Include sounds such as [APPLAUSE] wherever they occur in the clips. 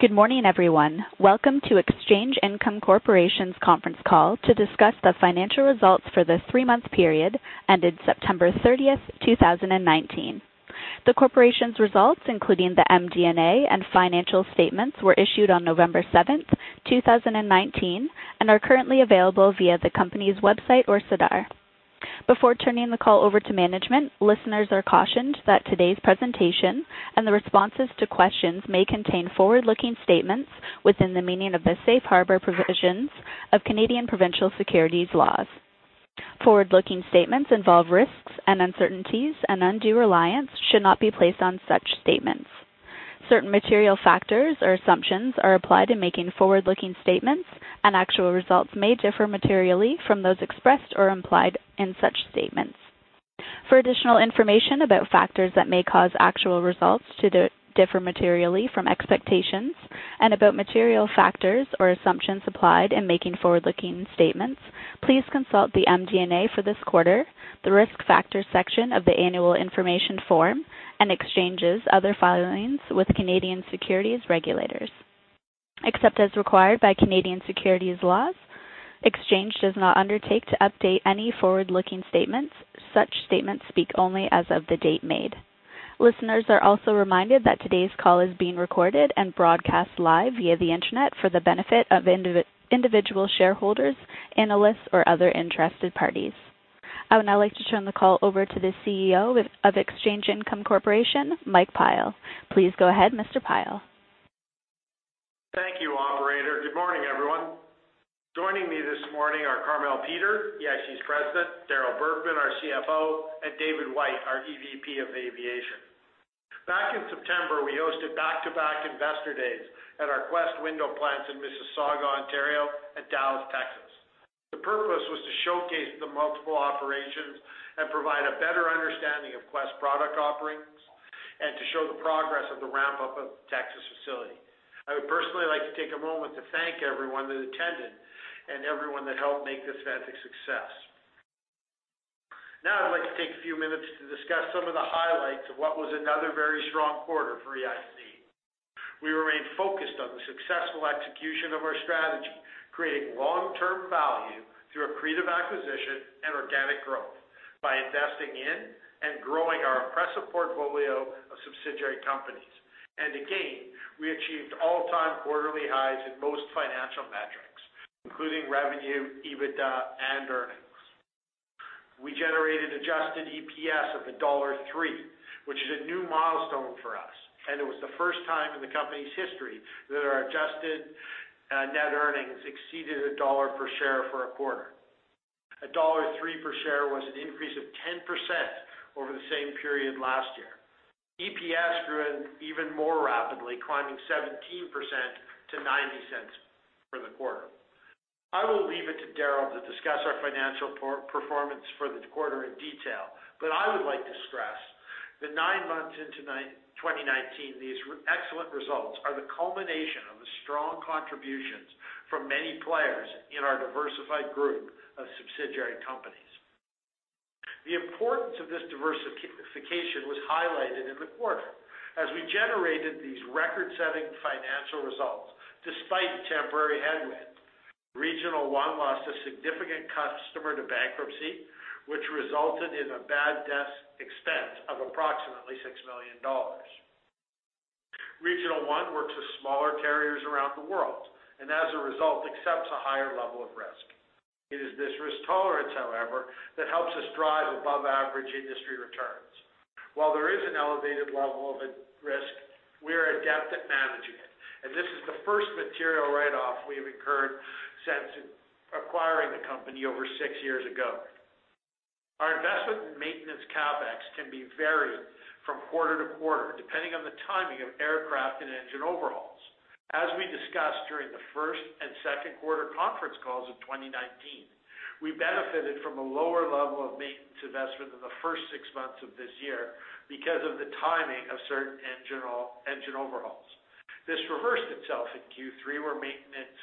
Good morning, everyone. Welcome to Exchange Income Corporation's conference call to discuss the financial results for the three-month period ended September 30th, 2019. The corporation's results, including the MD&A and financial statements, were issued on November 7th, 2019, and are currently available via the company's website or SEDAR. Before turning the call over to management, listeners are cautioned that today's presentation and the responses to questions may contain forward-looking statements within the meaning of the safe harbor provisions of Canadian provincial securities laws. Forward-looking statements involve risks and uncertainties, and undue reliance should not be placed on such statements. Certain material factors or assumptions are applied in making forward-looking statements, and actual results may differ materially from those expressed or implied in such statements. For additional information about factors that may cause actual results to differ materially from expectations and about material factors or assumptions applied in making forward-looking statements, please consult the MD&A for this quarter, the Risk Factors section of the annual information form, and Exchange's other filings with Canadian securities regulators. Except as required by Canadian securities laws, Exchange does not undertake to update any forward-looking statements. Such statements speak only as of the date made. Listeners are also reminded that today's call is being recorded and broadcast live via the internet for the benefit of individual shareholders, analysts or other interested parties. I would now like to turn the call over to the CEO of Exchange Income Corporation, Mike Pyle. Please go ahead, Mr. Pyle. Thank you, operator. Good morning, everyone. Joining me this morning are Carmele Peter, EIC's President, Darryl Bergman, our CFO, and David White, our EVP of Aviation. Back in September, we hosted back-to-back investor days at our Quest Window plants in Mississauga, Ontario, and Dallas, Texas. The purpose was to showcase the multiple operations and provide a better understanding of Quest product offerings and to show the progress of the ramp-up of the Texas facility. I would personally like to take a moment to thank everyone that attended and everyone that helped make this event a success. Now, I'd like to take a few minutes to discuss some of the highlights of what was another very strong quarter for EIC. We remain focused on the successful execution of our strategy, creating long-term value through accretive acquisition and organic growth by investing in and growing our impressive portfolio of subsidiary companies. Again, we achieved all-time quarterly highs in most financial metrics, including revenue, EBITDA, and earnings. We generated adjusted EPS of dollar 1.03, which is a new milestone for us, and it was the first time in the company's history that our adjusted net earnings exceeded CAD 1.00 per share for a quarter. Dollar 1.03 per share was an increase of 10% over the same period last year. EPS grew in even more rapidly, climbing 17% to 0.90 for the quarter. I will leave it to Darryl to discuss our financial performance for the quarter in detail, but I would like to stress that nine months into 2019, these excellent results are the culmination of the strong contributions from many players in our diversified group of subsidiary companies. The importance of this diversification was highlighted in the quarter as we generated these record-setting financial results despite a temporary headwind. Regional One lost a significant customer to bankruptcy, which resulted in a bad debts expense of approximately 6 million dollars. Regional One works with smaller carriers around the world, and as a result, accepts a higher level of risk. It is this risk tolerance, however, that helps us drive above average industry returns. While there is an elevated level of risk, we are adept at managing it, and this is the first material write-off we have incurred since acquiring the company over six years ago. Our investment in maintenance CapEx can be varied from quarter to quarter, depending on the timing of aircraft and engine overhauls. As we discussed during the first and second quarter conference calls of 2019, we benefited from a lower level of maintenance investment in the first six months of this year because of the timing of certain engine overhauls. This reversed itself in Q3 where maintenance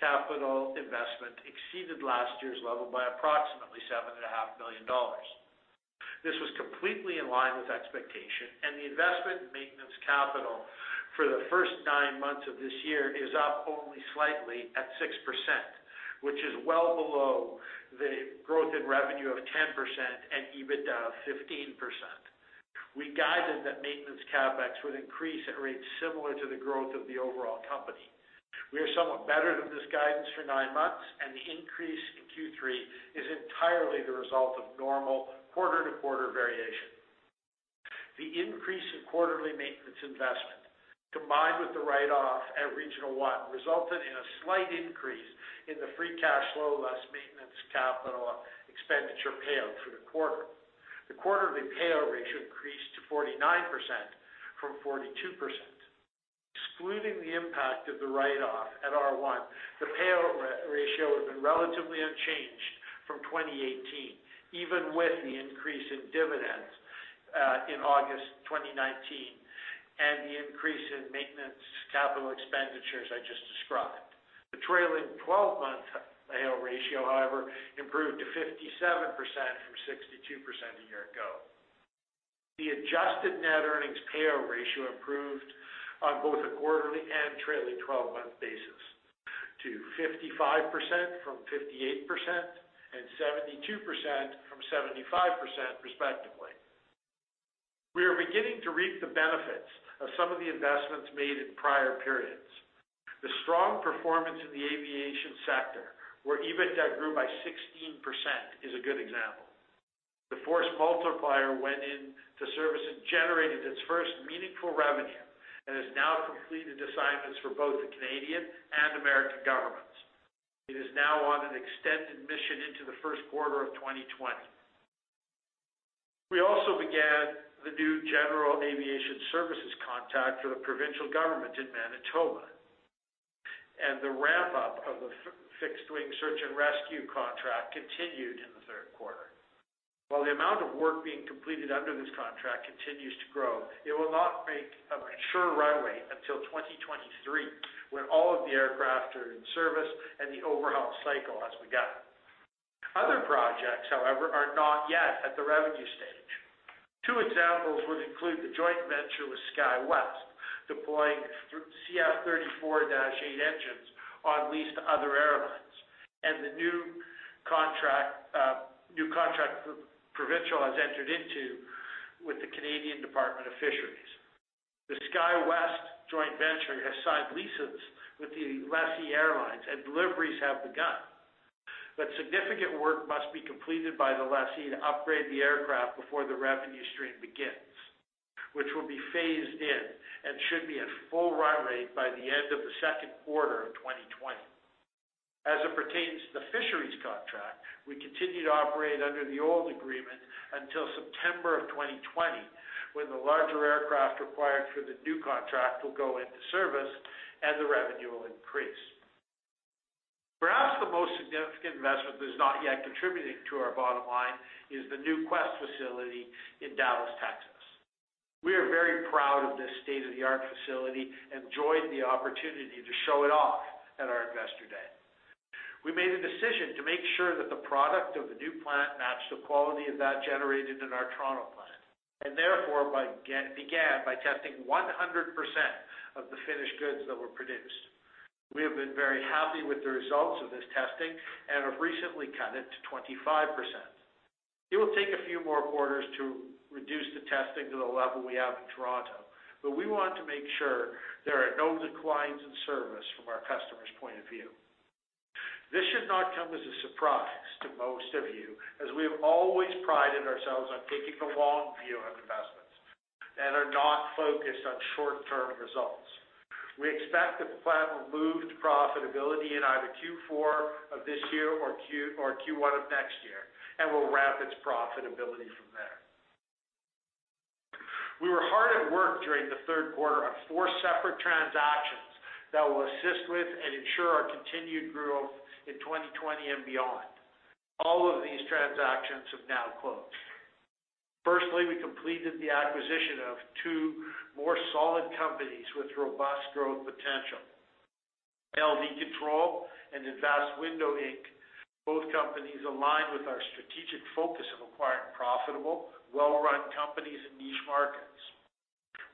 capital investment exceeded last year's level by approximately 7.5 million dollars. This was completely in line with expectation, and the investment in maintenance capital for the first nine months of this year is up only slightly at 6%, which is well below the growth in revenue of 10% and EBITDA of 15%. We guided that maintenance CapEx would increase at rates similar to the growth of the overall company. We are somewhat better than this guidance for nine months, and the increase in Q3 is entirely the result of normal quarter-to-quarter variation. The increase in quarterly maintenance investment, combined with the write-off at Regional One, resulted in a slight increase in the free cash flow, less maintenance capital expenditure payout through the quarter. The quarterly payout ratio increased to 49% from 42%. Excluding the impact of the write-off at R1, the payout ratio has been relatively unchanged from 2018, even with the increase in dividends, in August 2019, and the increase in maintenance capital expenditures I just described. The trailing 12-month payout ratio, however, improved to 57% from 62% a year ago. The adjusted net earnings payout ratio improved on both a quarterly and trailing 12-month basis to 55% from 58% and 72% from 75%, respectively. We are beginning to reap the benefits of some of the investments made in prior periods. The strong performance in the aviation sector, where EBITDA grew by 16%, is a good example. The Force Multiplier went into service and generated its first meaningful revenue and has now completed assignments for both the Canadian and American governments. It is now on an extended mission into the first quarter of 2020. We also began the new general aviation services contract for the provincial government in Manitoba, and the ramp-up of the fixed-wing search and rescue contract continued in the third quarter. While the amount of work being completed under this contract continues to grow, it will not make a mature run rate until 2023, when all of the aircraft are in service and the overhaul cycle has begun. Other projects, however, are not yet at the revenue stage. Two examples would include the joint venture with SkyWest, deploying CF34-8 engines on lease to other airlines, and the new contract the Provincial has entered into with the Canadian Department of Fisheries. The SkyWest joint venture has signed leases with the lessee airlines and deliveries have begun. Significant work must be completed by the lessee to upgrade the aircraft before the revenue stream begins, which will be phased in and should be at full run rate by the end of the second quarter of 2020. As it pertains to the Fisheries contract, we continue to operate under the old agreement until September of 2020, when the larger aircraft required for the new contract will go into service and the revenue will increase. Perhaps the most significant investment that is not yet contributing to our bottom line is the new Quest facility in Dallas, Texas. We are very proud of this state-of-the-art facility. We enjoyed the opportunity to show it off at our investor day. We made a decision to make sure that the product of the new plant matched the quality of that generated in our Toronto plant. Therefore, began by testing 100% of the finished goods that were produced. We have been very happy with the results of this testing and have recently cut it to 25%. It will take a few more quarters to reduce the testing to the level we have in Toronto, but we want to make sure there are no declines in service from our customers' point of view. This should not come as a surprise to most of you, as we have always prided ourselves on taking the long view on investments and are not focused on short-term results. We expect the plant will move to profitability in either Q4 of this year or Q1 of next year and will ramp its profitability from there. We were hard at work during the third quarter on four separate transactions that will assist with and ensure our continued growth in 2020 and beyond. All of these transactions have now closed. Firstly, we completed the acquisition of two more solid companies with robust growth potential. LV Control and Advanced Window, Inc. Both companies align with our strategic focus of acquiring profitable, well-run companies in niche markets.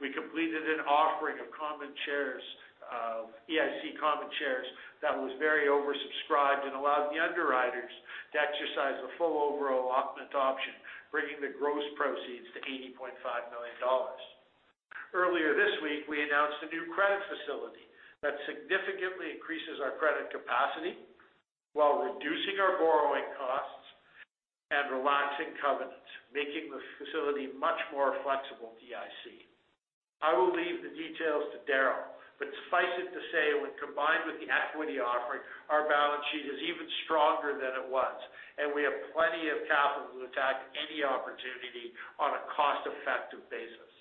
We completed an offering of EIC common shares that was very oversubscribed and allowed the underwriters to exercise the full overall allotment option, bringing the gross proceeds to 80.5 million dollars. Earlier this week, we announced a new credit facility that significantly increases our credit capacity while reducing our borrowing costs and relaxing covenants, making the facility much more flexible for EIC. I will leave the details to Darryl, but suffice it to say, when combined with the equity offering, our balance sheet is even stronger than it was, and we have plenty of capital to attack any opportunity on a cost-effective basis.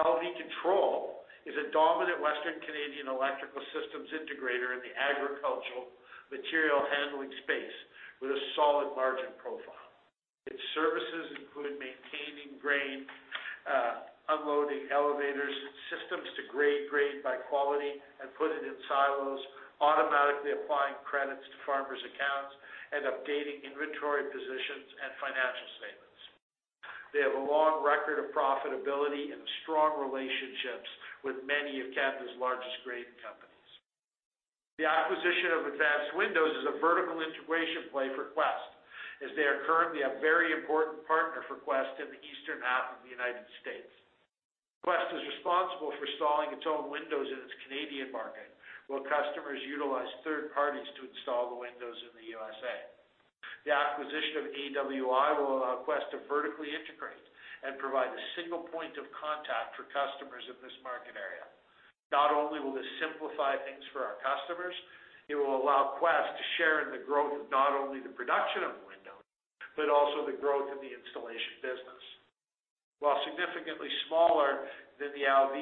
LV Control is a dominant Western Canadian electrical systems integrator in the agricultural material handling space with a solid margin profile. Its services include maintaining grain, unloading elevators, systems to grade grain by quality and put it in silos, automatically applying credits to farmers' accounts, and updating inventory positions and financial statements. They have a long record of profitability and strong relationships with many of Canada's largest grain companies. The acquisition of Advanced Window is a vertical integration play for Quest, as they are currently a very important partner for Quest in the eastern half of the United States. Quest is responsible for installing its own windows in its Canadian market, while customers utilize third parties to install the windows in the USA. The acquisition of AWI will allow Quest to vertically integrate and provide a single point of contact for customers in this market area. Not only will this simplify things for our customers, it will allow Quest to share in the growth of not only the production of the window, but also the growth of the installation business. While significantly smaller than the [LV]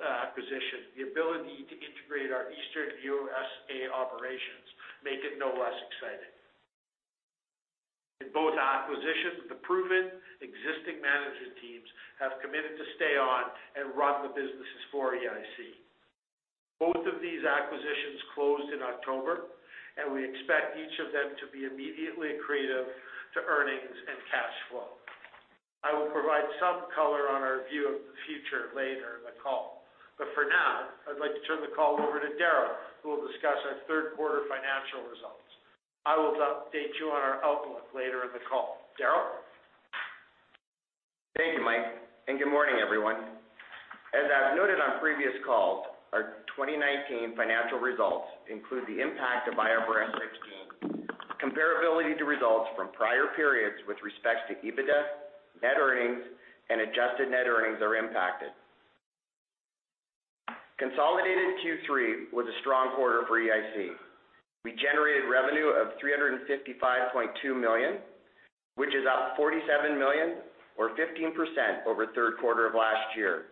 acquisition, the ability to integrate our eastern U.S.A. operations make it no less exciting. In both acquisitions, the proven existing management teams have committed to stay on and run the businesses for EIC. Both of these acquisitions closed in October, and we expect each of them to be immediately accretive to earnings and cash flow. I will provide some color on our view of the future later in the call. For now, I'd like to turn the call over to Darryl, who will discuss our third quarter financial results. I will update you on our outlook later in the call. Darryl? Thank you, Mike. Good morning, everyone. As I've noted on previous calls, our 2019 financial results include the impact of IFRS 16. Comparability to results from prior periods with respect to EBITDA, net earnings, and adjusted net earnings are impacted. Consolidated Q3 was a strong quarter for EIC. We generated revenue of 355.2 million, which is up 47 million or 15% over the third quarter of last year.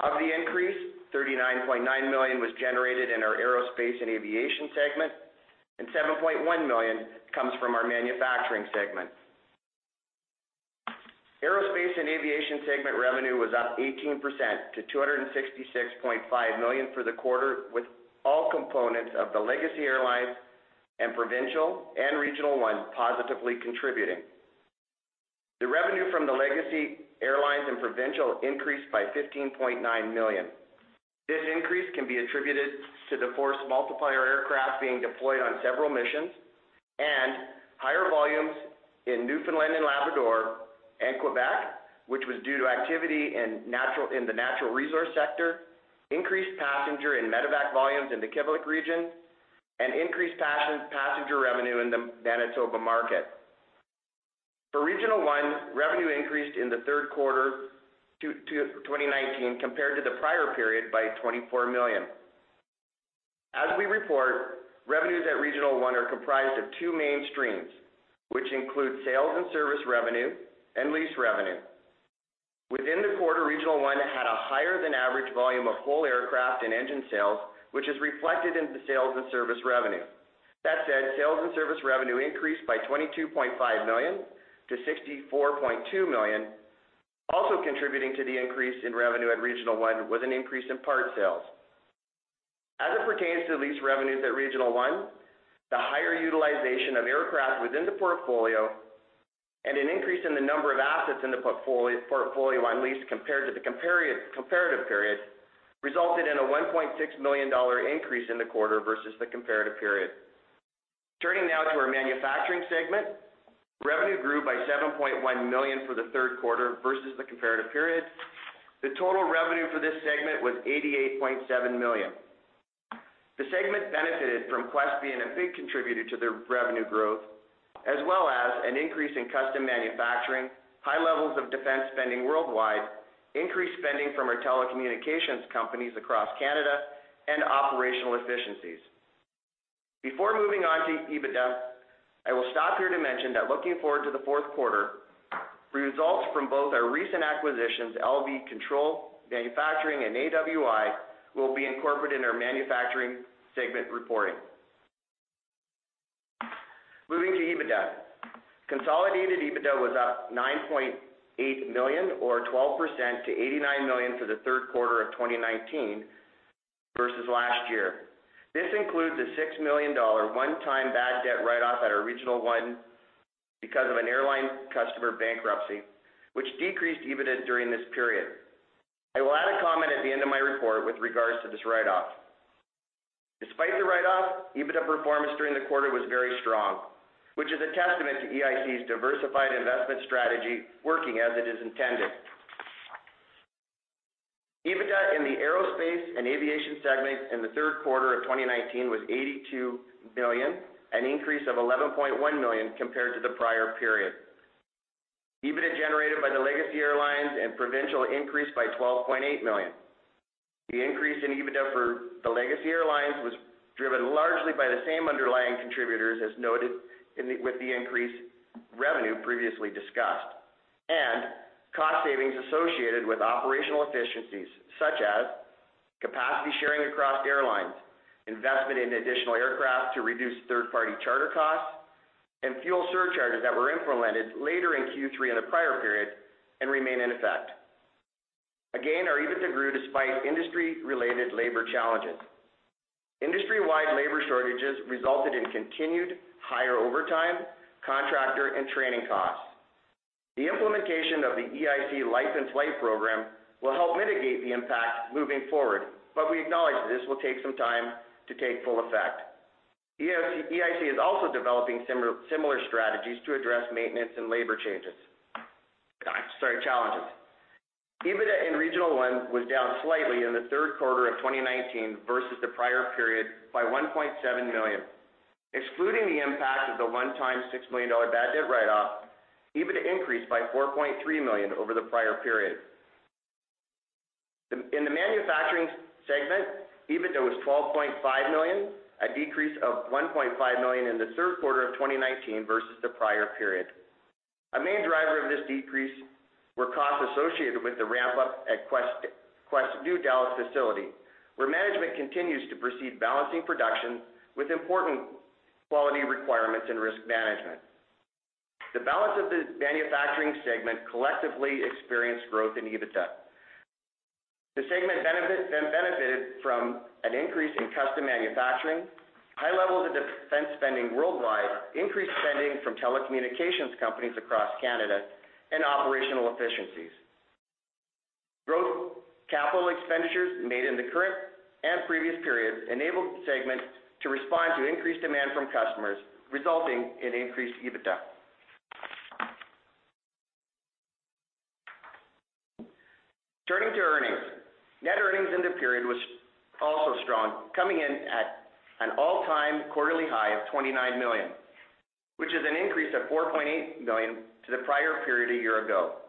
Of the increase, 39.9 million was generated in our aerospace and aviation segment, and 7.1 million comes from our manufacturing segment. Aerospace and aviation segment revenue was up 18% to 266.5 million for the quarter, with all components of the Legacy Airlines and Provincial and Regional One positively contributing. The revenue from the Legacy Airlines and Provincial increased by 15.9 million. This increase can be attributed to the Force Multiplier aircraft being deployed on several missions and higher volumes in Newfoundland and Labrador and Quebec, which was due to activity in the natural resource sector, increased passenger and Medevac volumes in the Quebec region, and increased passenger revenue in the Manitoba market. For Regional One, revenue increased in the third quarter 2019 compared to the prior period by 24 million. As we report, revenues at Regional One are comprised of two main streams, which include sales and service revenue and lease revenue. Within the quarter, Regional One had a higher than average volume of whole aircraft and engine sales, which is reflected in the sales and service revenue. Sales and service revenue increased by 22.5 million to 64.2 million. Contributing to the increase in revenue at Regional One was an increase in part sales. As it pertains to lease revenues at Regional One, the higher utilization of aircraft within the portfolio and an increase in the number of assets in the portfolio on lease compared to the comparative period resulted in a 1.6 million dollar increase in the quarter versus the comparative period. Turning now to our manufacturing segment. Revenue grew by 7.1 million for the third quarter versus the comparative period. The total revenue for this segment was 88.7 million. The segment benefited from Quest being a big contributor to the revenue growth, as well as an increase in custom manufacturing, high levels of defense spending worldwide, increased spending from our telecommunications companies across Canada, and operational efficiencies. Before moving on to EBITDA, I will stop here to mention that looking forward to the fourth quarter, results from both our recent acquisitions, LV Control, Manufacturing, and AWI, will be incorporated in our manufacturing segment reporting. Moving to EBITDA. Consolidated EBITDA was up 9.8 million or 12% to 89 million for the third quarter of 2019 versus last year. This includes a 6 million dollar one-time bad debt write-off at our Regional One because of an airline customer bankruptcy, which decreased EBITDA during this period. I will add a comment at the end of my report with regards to this write-off. Despite the write-off, EBITDA performance during the quarter was very strong, which is a testament to EIC's diversified investment strategy working as it is intended. EBITDA in the aerospace and aviation segment in the third quarter of 2019 was 82 million, an increase of 11.1 million compared to the prior period. EBITDA generated by the Legacy Airlines and Provincial increased by 12.8 million. The increase in EBITDA for the Legacy Airlines was driven largely by the same underlying contributors as noted with the increased revenue previously discussed and cost savings associated with operational efficiencies such as capacity sharing across airlines, investment in additional aircraft to reduce third-party charter costs, and fuel surcharges that were implemented later in Q3 in the prior period and remain in effect. Again, our EBITDA grew despite industry-related labor challenges. Industry-wide labor shortages resulted in continued higher overtime, contractor, and training costs. The implementation of the EIC Life in Flight program will help mitigate the impact moving forward, but we acknowledge that this will take some time to take full effect. EIC is also developing similar strategies to address maintenance and labor challenges. EBITDA in Regional One was down slightly in the third quarter of 2019 versus the prior period by 1.7 million. Excluding the impact of the one-time 6 million dollar bad debt write-off, EBITDA increased by 4.3 million over the prior period. In the manufacturing segment, EBITDA was 12.5 million, a decrease of 1.5 million in the third quarter of 2019 versus the prior period. A main driver of this decrease were costs associated with the ramp-up at Quest's new Dallas facility, where management continues to proceed balancing production with important quality requirements and risk management. The balance of the manufacturing segment collectively experienced growth in EBITDA. The segment then benefited from an increase in custom manufacturing, high levels of defense spending worldwide, increased spending from telecommunications companies across Canada, and operational efficiencies. Growth CapEx made in the current and previous periods enabled the segment to respond to increased demand from customers, resulting in increased EBITDA. Turning to earnings. Net earnings in the period was also strong, coming in at an all-time quarterly high of 29 million, which is an increase of 4.8 million to the prior period a year ago.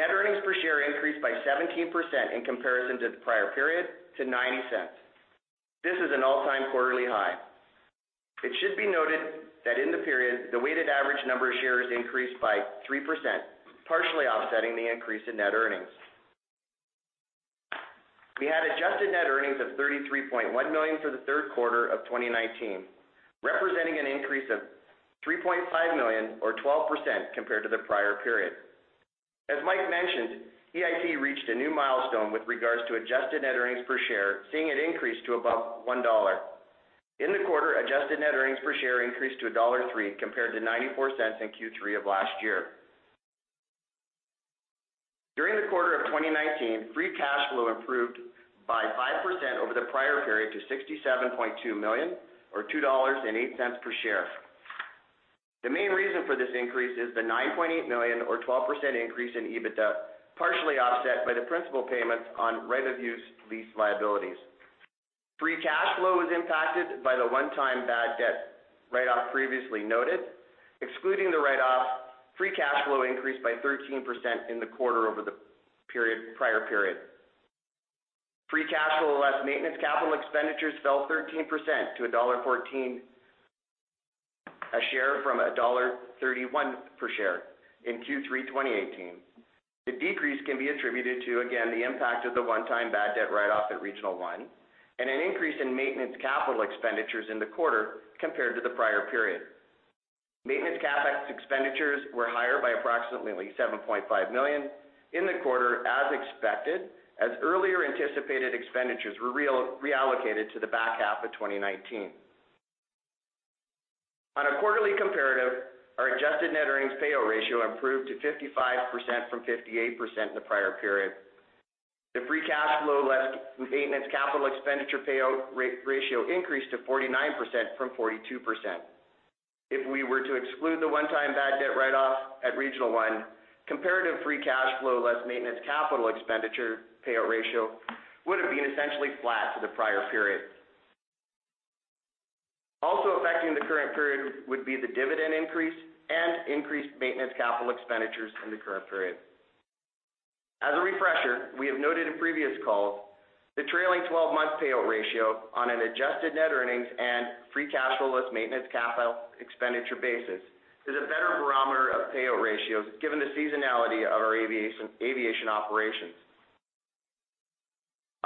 Net earnings per share increased by 17% in comparison to the prior period to 0.90. This is an all-time quarterly high. It should be noted that in the period, the weighted average number of shares increased by 3%, partially offsetting the increase in net earnings. We had adjusted net earnings of 33.1 million for the third quarter of 2019, representing an increase of 3.5 million or 12% compared to the prior period. As Mike mentioned, EIC reached a new milestone with regards to adjusted net earnings per share, seeing it increase to above 1 dollar. In the quarter, adjusted net earnings per share increased to dollar 1.03 compared to 0.94 in Q3 of last year. During the quarter of 2019, free cash flow improved by 5% over the prior period to 67.2 million or 2.08 dollars per share. The main reason for this increase is the 9.8 million or 12% increase in EBITDA, partially offset by the principal payments on right-of-use lease liabilities. Free cash flow was impacted by the one-time bad debt write-off previously noted. Excluding the write-off, free cash flow increased by 13% in the quarter over the prior period. Free cash flow less maintenance capital expenditures fell 13% to dollar 1.14 a share from dollar 1.31 per share in Q3 2018. The decrease can be attributed to, again, the impact of the one-time bad debt write-off at Regional One and an increase in maintenance capital expenditures in the quarter compared to the prior period. Maintenance CapEx expenditures were higher by approximately 7.5 million in the quarter as expected, as earlier anticipated expenditures were reallocated to the back half of 2019. On a quarterly comparative, our adjusted net earnings payout ratio improved to 55% from 58% in the prior period. The free cash flow less maintenance capital expenditure payout ratio increased to 49% from 42%. If we were to exclude the one-time bad debt write-off at Regional One, comparative free cash flow less maintenance capital expenditure payout ratio would have been essentially flat to the prior period. Also affecting the current period would be the dividend increase and increased maintenance capital expenditures in the current period. As a refresher, we have noted in previous calls the trailing 12-month payout ratio on an adjusted net earnings and free cash flow less maintenance capital expenditure basis is a better barometer of payout ratios given the seasonality of our aviation operations.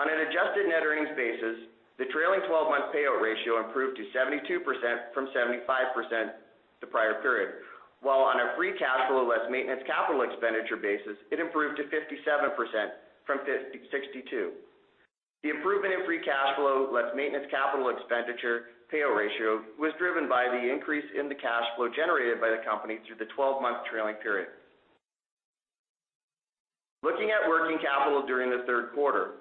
On an adjusted net earnings basis, the trailing 12-month payout ratio improved to 72% from 75% the prior period, while on a free cash flow less maintenance capital expenditure basis, it improved to 57% from 62%. The improvement in free cash flow less maintenance capital expenditure payout ratio was driven by the increase in the cash flow generated by the company through the 12-month trailing period. Looking at working capital during the third quarter,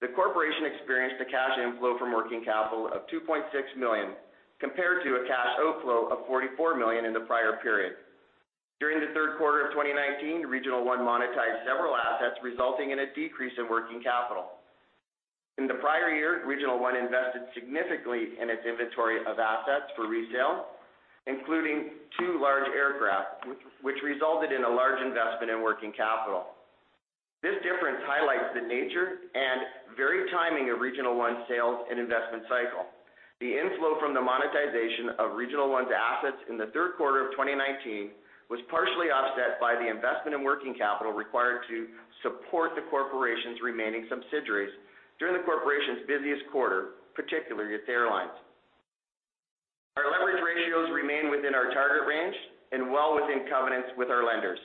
the corporation experienced a cash inflow from working capital of 2.6 million compared to a cash outflow of 44 million in the prior period. During the third quarter of 2019, Regional One monetized several assets, resulting in a decrease in working capital. In the prior year, Regional One invested significantly in its inventory of assets for resale, including two large aircraft, which resulted in a large investment in working capital. This difference highlights the nature and very timing of Regional One sales and investment cycle. The inflow from the monetization of Regional One's assets in the third quarter of 2019 was partially offset by the investment in working capital required to support the corporation's remaining subsidiaries during the corporation's busiest quarter, particularly its airlines. Our leverage ratios remain within our target range and well within covenants with our lenders.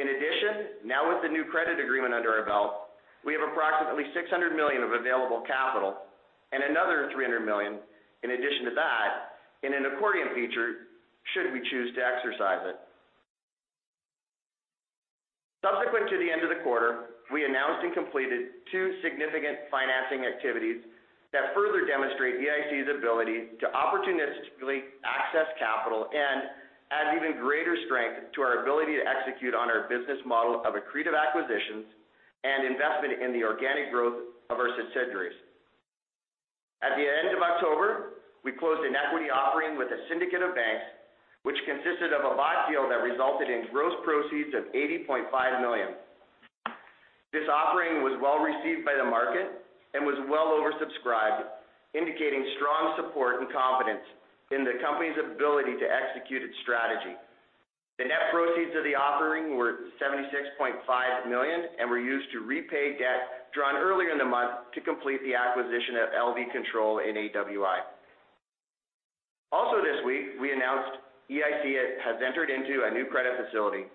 In addition, now with the new credit agreement under our belt, we have approximately 600 million of available capital and another 300 million in addition to that in an accordion feature, should we choose to exercise it. Subsequent to the end of the quarter, we announced and completed two significant financing activities that further demonstrate EIC's ability to opportunistically access capital and add even greater strength to our ability to execute on our business model of accretive acquisitions and investment in the organic growth of our subsidiaries. At the end of October, we closed an equity offering with a syndicate of banks, which consisted of a bond deal that resulted in gross proceeds of 80.5 million. This offering was well-received by the market and was well oversubscribed, indicating strong support and confidence in the company's ability to execute its strategy. The net proceeds of the offering were 76.5 million and were used to repay debt drawn earlier in the month to complete the acquisition of LV Control and AWI. This week, we announced EIC has entered into a new credit facility.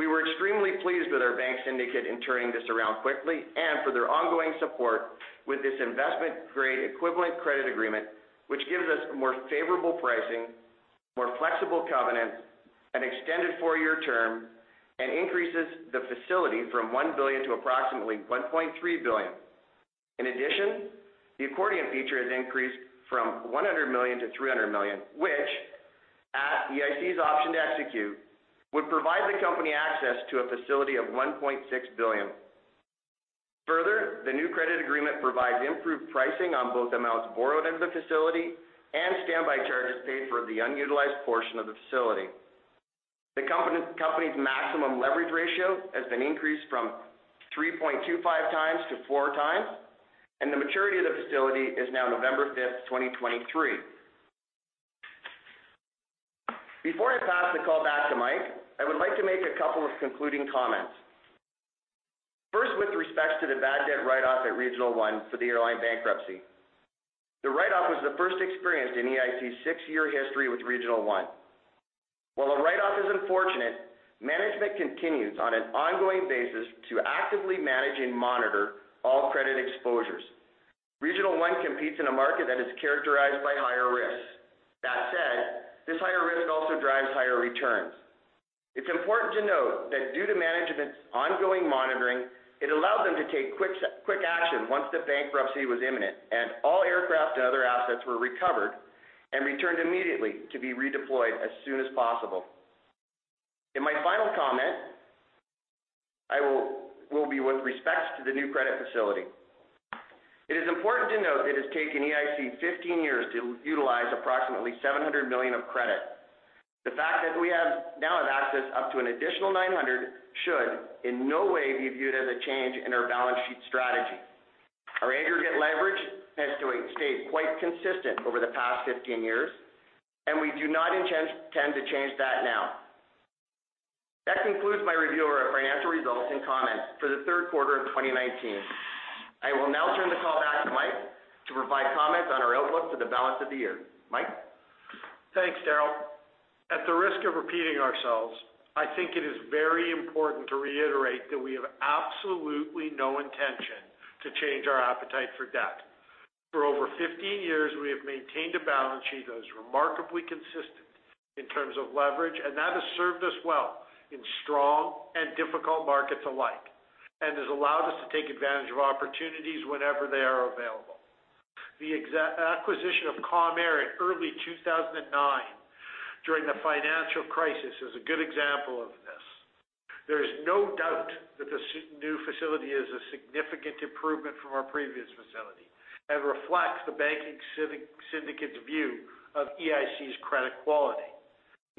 We were extremely pleased with our bank syndicate in turning this around quickly and for their ongoing support with this investment-grade equivalent credit agreement, which gives us more favorable pricing, more flexible covenants, an extended four-year term, and increases the facility from 1 billion to approximately 1.3 billion. In addition, the accordion feature has increased from 100 million-300 million, which at EIC's option to execute, would provide the company access to a facility of 1.6 billion. Further, the new credit agreement provides improved pricing on both amounts borrowed under the facility and standby charges paid for the unutilized portion of the facility. The company's maximum leverage ratio has been increased from 3.25 x to 4x, and the maturity of the facility is now November 5, 2023. Before I pass the call back to Mike, I would like to make a couple of concluding comments. First, with respects to the bad debt write-off at Regional One for the airline bankruptcy. The write-off was the first experienced in EIC's six-year history with Regional One. While the write-off is unfortunate, management continues on an ongoing basis to actively manage and monitor all credit exposures. Regional One competes in a market that is characterized by higher risk. That said, this higher risk also drives higher returns. It's important to note that due to management's ongoing monitoring, it allowed them to take quick action once the bankruptcy was imminent and all aircraft and other assets were recovered and returned immediately to be redeployed as soon as possible. In my final comment, will be with respect to the new credit facility. It is important to note it has taken EIC 15 years to utilize approximately 700 million of credit. The fact that we now have access up to an additional 900 should in no way be viewed as a change in our balance sheet strategy. Our aggregate leverage has stayed quite consistent over the past 15 years, and we do not intend to change that now. That concludes my review of our financial results and comments for the third quarter of 2019. I will now turn the call back to Mike to provide comments on our outlook for the balance of the year. Mike? Thanks, Darryl. At the risk of repeating ourselves, I think it is very important to reiterate that we have absolutely no intention to change our appetite for debt. For over 15 years, we have maintained a balance sheet that is remarkably consistent in terms of leverage, and that has served us well in strong and difficult markets alike and has allowed us to take advantage of opportunities whenever they are available. The acquisition of Comair in early 2009 during the financial crisis is a good example of this. There is no doubt that this new facility is a significant improvement from our previous facility and reflects the banking syndicate's view of EIC's credit quality.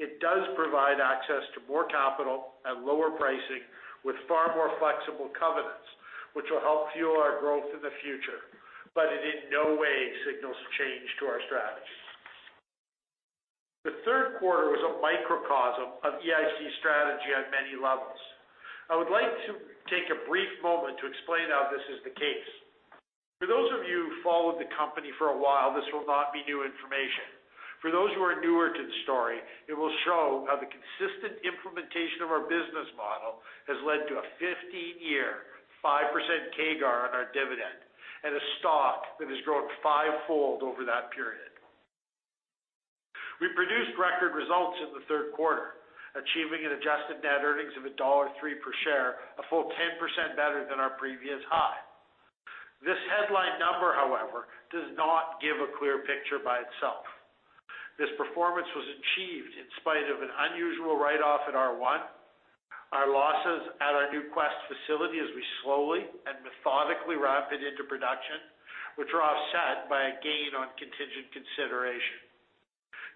It does provide access to more capital at lower pricing with far more flexible covenants, which will help fuel our growth in the future, but it in no way signals a change to our strategy. The third quarter was a microcosm of EIC's strategy on many levels. I would like to take a brief moment to explain how this is the case. For those of you who followed the company for a while, this will not be new information. For those who are newer to the story, it will show how the consistent implementation of our business model has led to a 15-year, 5% CAGR on our dividend and a stock that has grown fivefold over that period. We produced record results in the third quarter, achieving an adjusted net earnings of dollar 1.03 per share, a full 10% better than our previous high. This headline number, however, does not give a clear picture by itself. This performance was achieved in spite of an unusual write-off at R1, our losses at our new Quest facility as we slowly and methodically ramp it into production, which are offset by a gain on contingent consideration.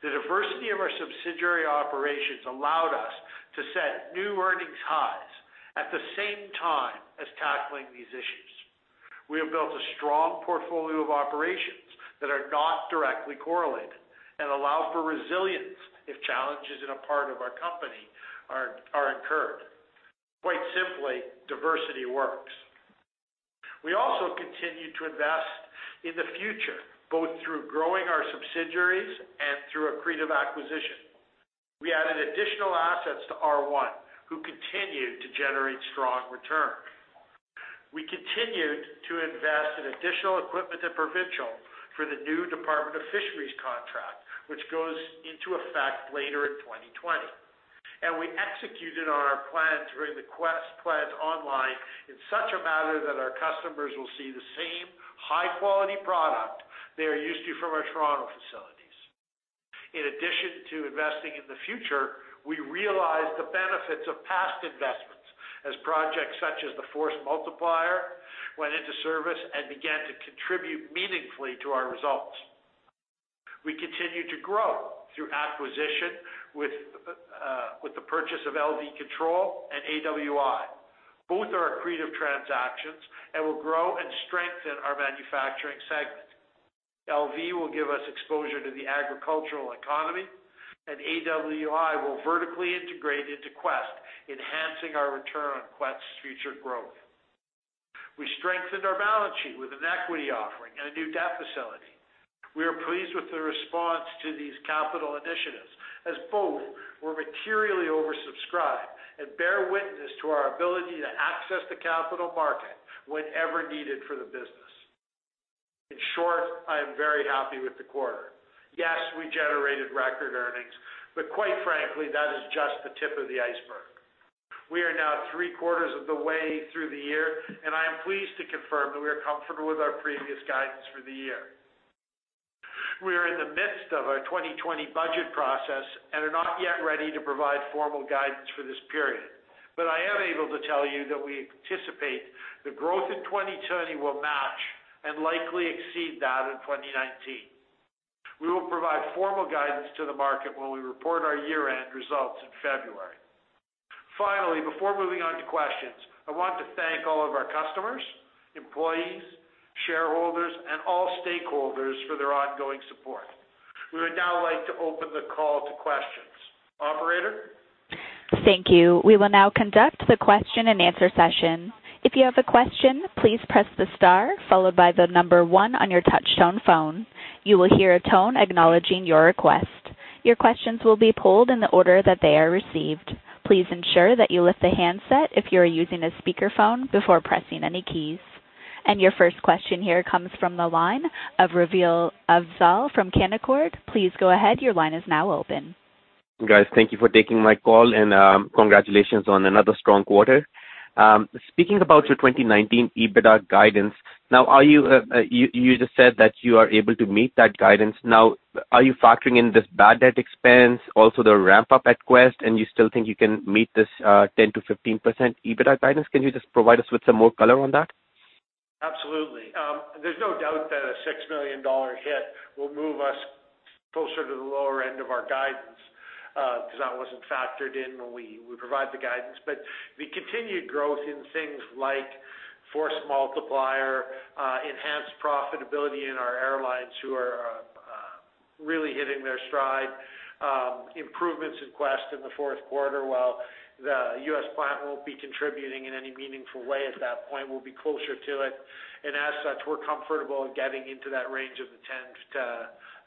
The diversity of our subsidiary operations allowed us to set new earnings highs at the same time as tackling these issues. We have built a strong portfolio of operations that are not directly correlated and allow for resilience if challenges in a part of our company are incurred. Quite simply, diversity works. We also continue to invest in the future, both through growing our subsidiaries and through accretive acquisition. We added additional assets to R1, who continue to generate strong returns. We continued to invest in additional equipment at Provincial for the new Department of Fisheries contract, which goes into effect later in 2020. We executed on our plan to bring the Quest plant online in such a manner that our customers will see the same high-quality product they are used to from our Toronto facilities. In addition to investing in the future, we realized the benefits of past investments as projects such as the Force Multiplier went into service and began to contribute meaningfully to our results. We continued to grow through acquisition with the purchase of LV Control and AWI. Both are accretive transactions and will grow and strengthen our manufacturing segment. LV will give us exposure to the agricultural economy, and AWI will vertically integrate into Quest, enhancing our return on Quest's future growth. We strengthened our balance sheet with an equity offering and a new debt facility. We are pleased with the response to these capital initiatives as both were materially oversubscribed and bear witness to our ability to access the capital market whenever needed for the business. In short, I am very happy with the quarter. Yes, we generated record earnings, quite frankly, that is just the tip of the iceberg. We are now three quarters of the way through the year, I am pleased to confirm that we are comfortable with our previous guidance for the year. We are in the midst of our 2020 budget process and are not yet ready to provide formal guidance for this period. I am able to tell you that I anticipate the growth in 2020 will match and likely exceed that of 2019. We will provide formal guidance to the market when we report our year-end results in February. Finally, before moving on to questions, I want to thank all of our customers, employees, shareholders, and all stakeholders for their ongoing support. We would now like to open the call to questions. Operator? Thank you. We will now conduct the question-and-answer session. If you have a question, please press the star followed by the number one on your touchtone phone. You will hear a tone acknowledging your request. Your questions will be polled in the order that they are received. Please ensure that you lift the handset if you are using a speakerphone before pressing any keys. Your first question here comes from the line of Raveel Afzaal from Canaccord Genuity. Please go ahead. Your line is now open. Guys, thank you for taking my call. Congratulations on another strong quarter. Speaking about your 2019 EBITDA guidance, you just said that you are able to meet that guidance. Are you factoring in this bad debt expense, also the ramp-up at Quest, and you still think you can meet this 10%-15% EBITDA guidance? Can you just provide us with some more color on that? Absolutely. There's no doubt that a 6 million dollar hit will move us closer to the lower end of our guidance, because that wasn't factored in when we provided the guidance. The continued growth in things like Force Multiplier, enhanced profitability in our airlines who are really hitting their stride, improvements in Quest in the fourth quarter, while the U.S. plant won't be contributing in any meaningful way at that point, we'll be closer to it. As such, we're comfortable getting into that range of the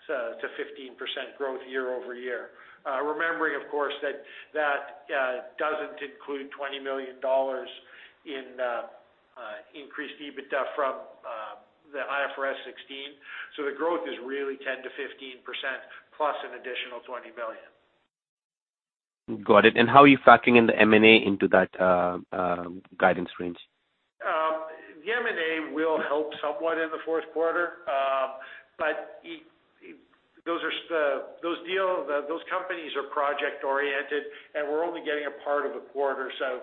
10%-15% growth year-over-year. Remembering, of course, that that doesn't include 20 million dollars in increased EBITDA from the IFRS 16. The growth is really 10%-15% plus an additional 20 million. Got it. How are you factoring in the M&A into that guidance range? The M&A will help somewhat in the fourth quarter. Those companies are project oriented, and we're only getting a part of a quarter, so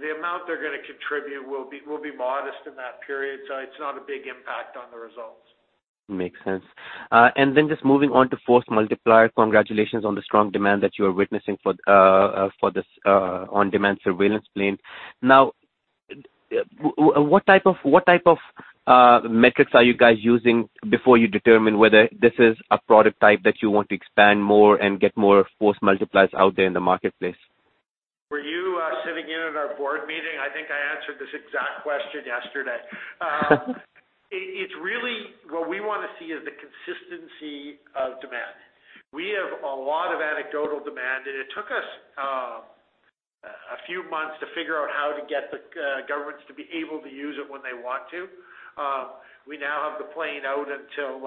the amount they're going to contribute will be modest in that period. It's not a big impact on the results. Makes sense. Just moving on to Force Multiplier, congratulations on the strong demand that you are witnessing for this on-demand surveillance plane. Now, what type of metrics are you guys using before you determine whether this is a product type that you want to expand more and get more Force Multipliers out there in the marketplace? Were you sitting in on our board meeting? I think I answered this exact question yesterday. What we want to see is the consistency of demand. It took us a few months to figure out how to get the governments to be able to use it when they want to. We now have the plane out until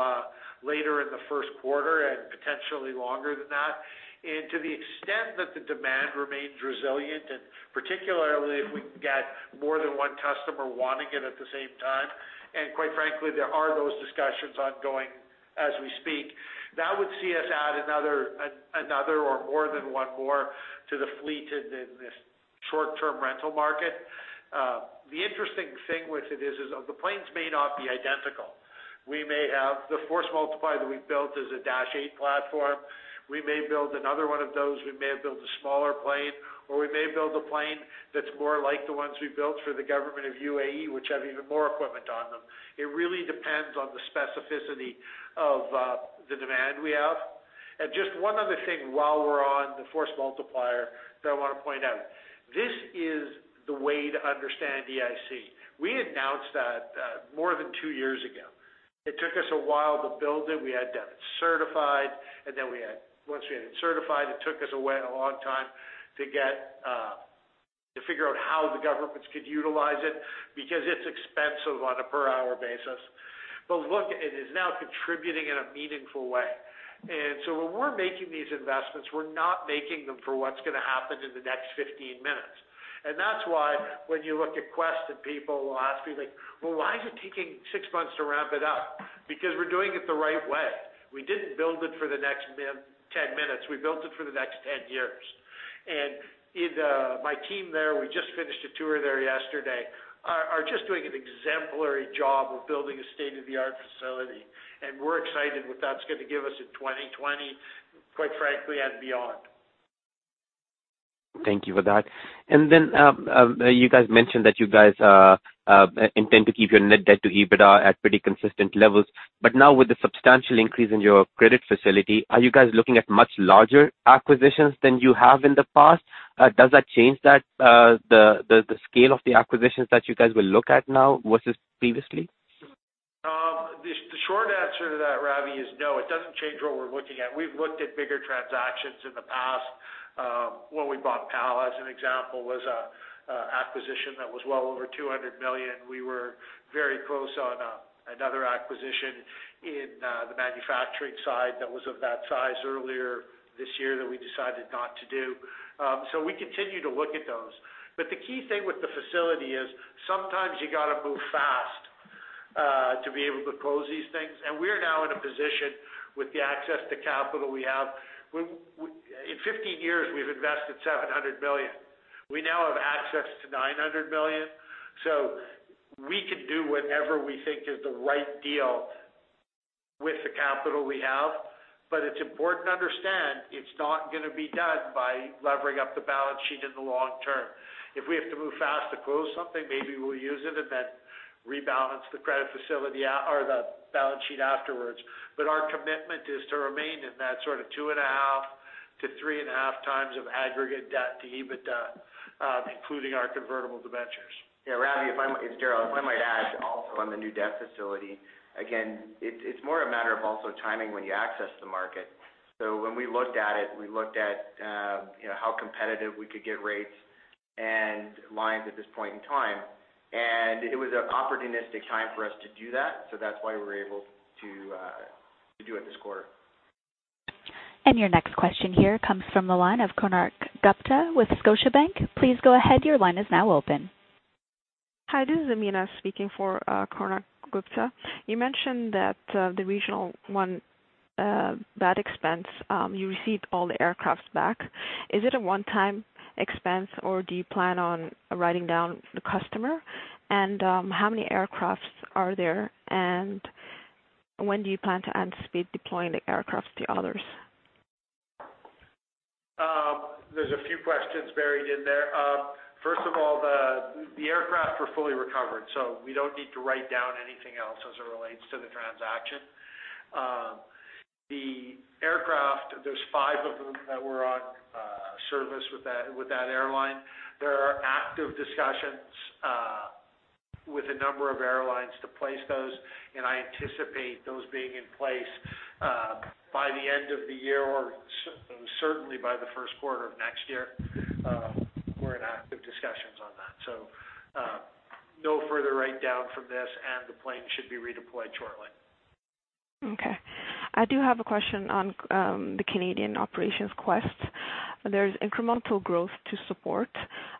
later in the first quarter and potentially longer than that. To the extent that the demand remains resilient, particularly if we can get more than one customer wanting it at the same time, and quite frankly, there are those discussions ongoing as we speak, that would see us add another or more than one more to the fleet in this short-term rental market. The interesting thing with it is the planes may not be identical. The Force Multiplier that we've built is a Dash 8 platform. We may build another one of those, we may build a smaller plane, or we may build a plane that's more like the ones we've built for the government of UAE, which have even more equipment on them. It really depends on the specificity of the demand we have. Just one other thing while we're on the Force Multiplier that I want to point out. This is the way to understand EIC. We announced that more than two years ago. It took us a while to build it. We had to have it certified, and then once we had it certified, it took us a long time to figure out how the governments could utilize it, because it's expensive on a per hour basis. Look, it is now contributing in a meaningful way. When we're making these investments, we're not making them for what's going to happen in the next 15 minutes. That's why when you look at Quest and people will ask me, "Well, why is it taking six months to ramp it up?" Because we're doing it the right way. We didn't build it for the next 10 minutes. We built it for the next 10 years. My team there, we just finished a tour there yesterday, are just doing an exemplary job of building a state-of-the-art facility, and we're excited with what that's going to give us in 2020, quite frankly, and beyond. Thank you for that. You guys mentioned that you guys intend to keep your net debt to EBITDA at pretty consistent levels. Now with the substantial increase in your credit facility, are you guys looking at much larger acquisitions than you have in the past? Does that change the scale of the acquisitions that you guys will look at now versus previously? The short answer to that, Ravi, is no, it doesn't change what we're looking at. We've looked at bigger transactions in the past. When we bought PAL as an example, was a acquisition that was well over 200 million. We were very close on another acquisition in the manufacturing side that was of that size earlier this year that we decided not to do. We continue to look at those. The key thing with the facility is sometimes you got to move fast to be able to close these things. We're now in a position with the access to capital we have. In 15 years, we've invested 700 million. We now have access to 900 million. We can do whatever we think is the right deal with the capital we have. It's important to understand it's not going to be done by levering up the balance sheet in the long term. If we have to move fast to close something, maybe we'll use it and then rebalance the credit facility or the balance sheet afterwards. Our commitment is to remain in that sort of 2.5x to 3.5x of aggregate debt to EBITDA, including our convertible debentures. Yeah, Ravi, it's Darryl. If I might add also on the new debt facility, again, it's more a matter of also timing when you access the market. When we looked at it, we looked at how competitive we could get rates and lines at this point in time. It was an opportunistic time for us to do that's why we were able to do it this quarter. Your next question here comes from the line of Konark Gupta with Scotiabank. Please go ahead, your line is now open. Hi, this is Amina speaking for Konark Gupta. You mentioned that the Regional One bad expense, you received all the aircraft back. Is it a one-time expense or do you plan on writing down the customer? How many aircraft are there, and when do you plan to anticipate deploying the aircraft to others? There's a few questions buried in there. First of all, the aircraft were fully recovered. We don't need to write down anything else as it relates to the transaction. The aircraft, there's five of them that were on service with that airline. There are active discussions with a number of airlines to place those. I anticipate those being in place by the end of the year or certainly by the first quarter of next year. We're in active discussions on that. No further write down from this. The plane should be redeployed shortly. Okay. I do have a question on the Canadian operations, Quest. There's incremental growth to support.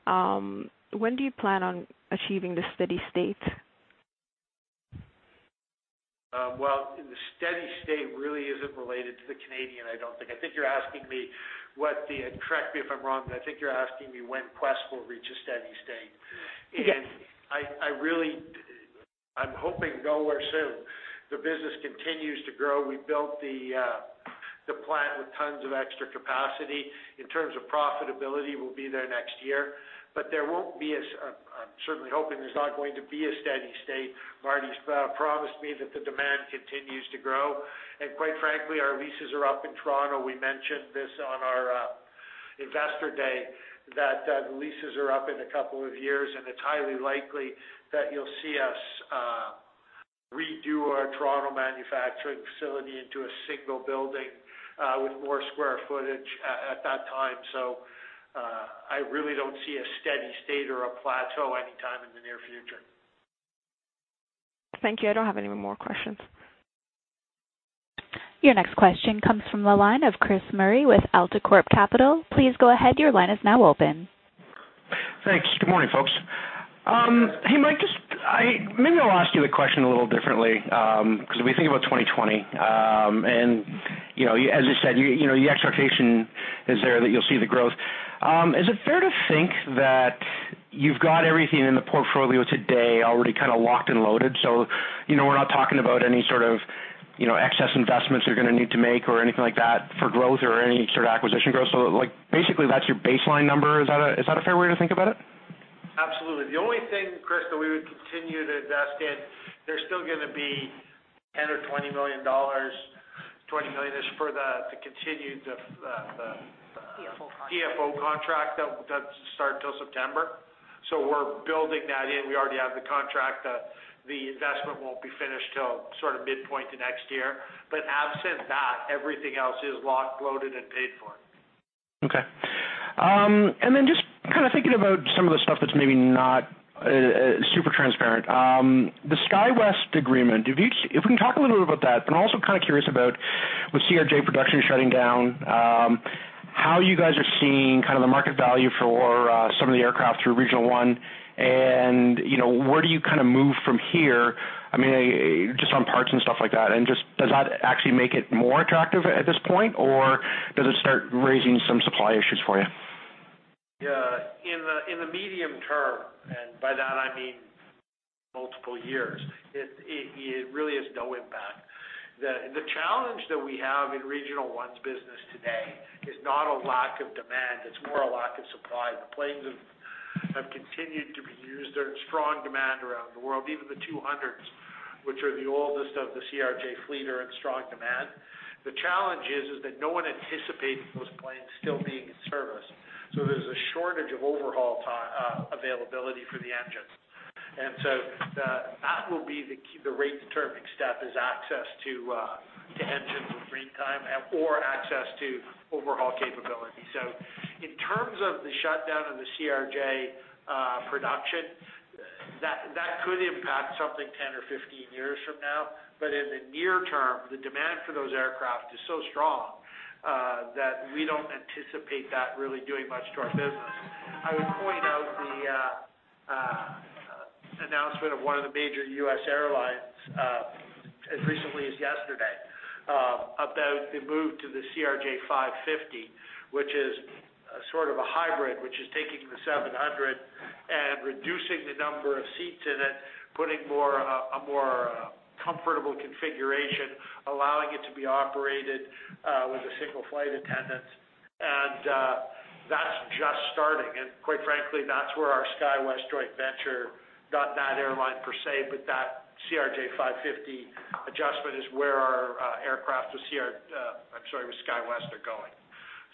When do you plan on achieving the steady state? The steady state really isn't related to the Canadian, I don't think. Correct me if I'm wrong, but I think you're asking me when Quest will reach a steady state. Yes. I'm hoping nowhere soon. The business continues to grow. We built the plant with tons of extra capacity. In terms of profitability, we'll be there next year. I'm certainly hoping there's not going to be a steady state. Marty's promised me that the demand continues to grow. Quite frankly, our leases are up in Toronto. We mentioned this on our investor day that the leases are up in a couple of years, and it's highly likely that you'll see us redo our Toronto manufacturing facility into a single building with more square footage at that time. I really don't see a steady state or a plateau anytime in the near future. Thank you. I don't have any more questions. Your next question comes from the line of Chris Murray with AltaCorp Capital. Please go ahead, your line is now open. Thanks. Good morning, folks. Hey, Mike, maybe I'll ask you the question a little differently. If we think about 2020, and as you said, the expectation is there that you'll see the growth. Is it fair to think that you've got everything in the portfolio today already locked and loaded? We're not talking about any sort of excess investments you're going to need to make or anything like that for growth or any sort of acquisition growth. Like basically that's your baseline number. Is that a fair way to think about it? Absolutely. The only thing, Chris, that we would continue to invest in, there's still going to be 10 million or 20 million dollars. 20 million is for the continued. The DFO contract. DFO contract that doesn't start till September. We're building that in. We already have the contract. The investment won't be finished till sort of midpoint to next year. Absent that, everything else is locked, loaded, and paid for. Okay. Just thinking about some of the stuff that's maybe not super transparent. The SkyWest agreement, if we can talk a little bit about that. I'm also curious about with CRJ production shutting down, how you guys are seeing the market value for some of the aircraft through Regional One and where do you move from here, just on parts and stuff like that, and does that actually make it more attractive at this point, or does it start raising some supply issues for you? In the medium term, and by that I mean multiple years. It really has no impact. The challenge that we have in Regional One's business today is not a lack of demand, it's more a lack of supply. The planes have continued to be used. They're in strong demand around the world. Even the 200s, which are the oldest of the CRJ fleet, are in strong demand. The challenge is that no one anticipated those planes still being in service, so there's a shortage of overhaul availability for the engines. That will be the key. The rate determining step is access to engines with free time or access to overhaul capability. In terms of the shutdown of the CRJ production, that could impact something 10 or 15 years from now. In the near term, the demand for those aircraft is so strong that we don't anticipate that really doing much to our business. I would point out the announcement of one of the major U.S. airlines, as recently as yesterday, about the move to the CRJ 550, which is sort of a hybrid, which is taking the 700 and reducing the number of seats in it, putting a more comfortable configuration, allowing it to be operated with a single flight attendant. That's just starting. Quite frankly, that's where our SkyWest joint venture, not that airline per se, but that CRJ 550 adjustment, I'm sorry, with SkyWest are going.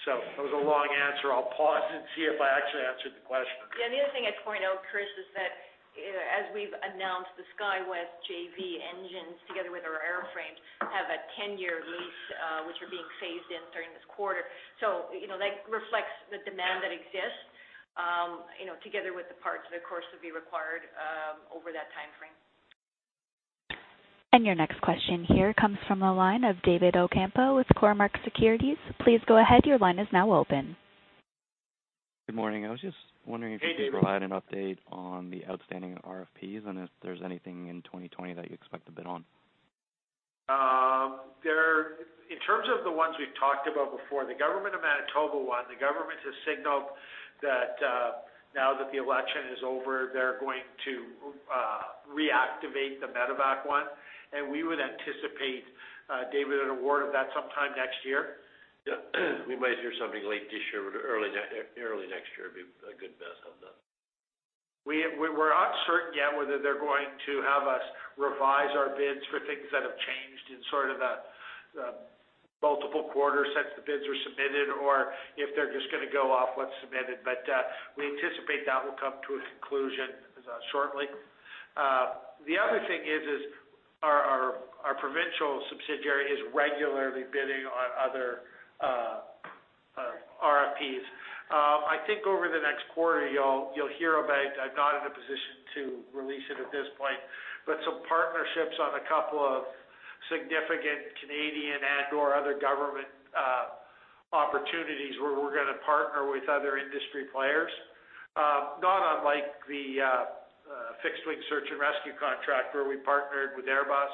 That was a long answer. I'll pause and see if I actually answered the question. The other thing I'd point out, Chris, is that as we've announced, the SkyWest JV engines together with our airframes have a 10-year lease, which are being phased in during this quarter. That reflects the demand that exists, together with the parts that of course, would be required over that timeframe. Your next question here comes from the line of David Ocampo with Cormark Securities. Please go ahead. Your line is now open. Good morning. Hey, David. you could provide an update on the outstanding RFPs and if there's anything in 2020 that you expect to bid on? In terms of the ones we've talked about before, the government of Manitoba one, the government has signaled that now that the election is over, they're going to reactivate the Medevac one, and we would anticipate, David, an award of that sometime next year. Yeah. We might hear something late this year, but early next year would be a good guess on that. We're not certain yet whether they're going to have us revise our bids for things that have changed in sort of the multiple quarters since the bids were submitted, or if they're just going to go off what's submitted. We anticipate that will come to a conclusion shortly. The other thing is our Provincial Aerospace subsidiary is regularly bidding on other RFPs. I think over the next quarter you'll hear about it. I'm not in a position to release it at this point, but some partnerships on a couple of significant Canadian and/or other government opportunities where we're going to partner with other industry players. Not unlike the Fixed-Wing Search and Rescue contract where we partnered with Airbus.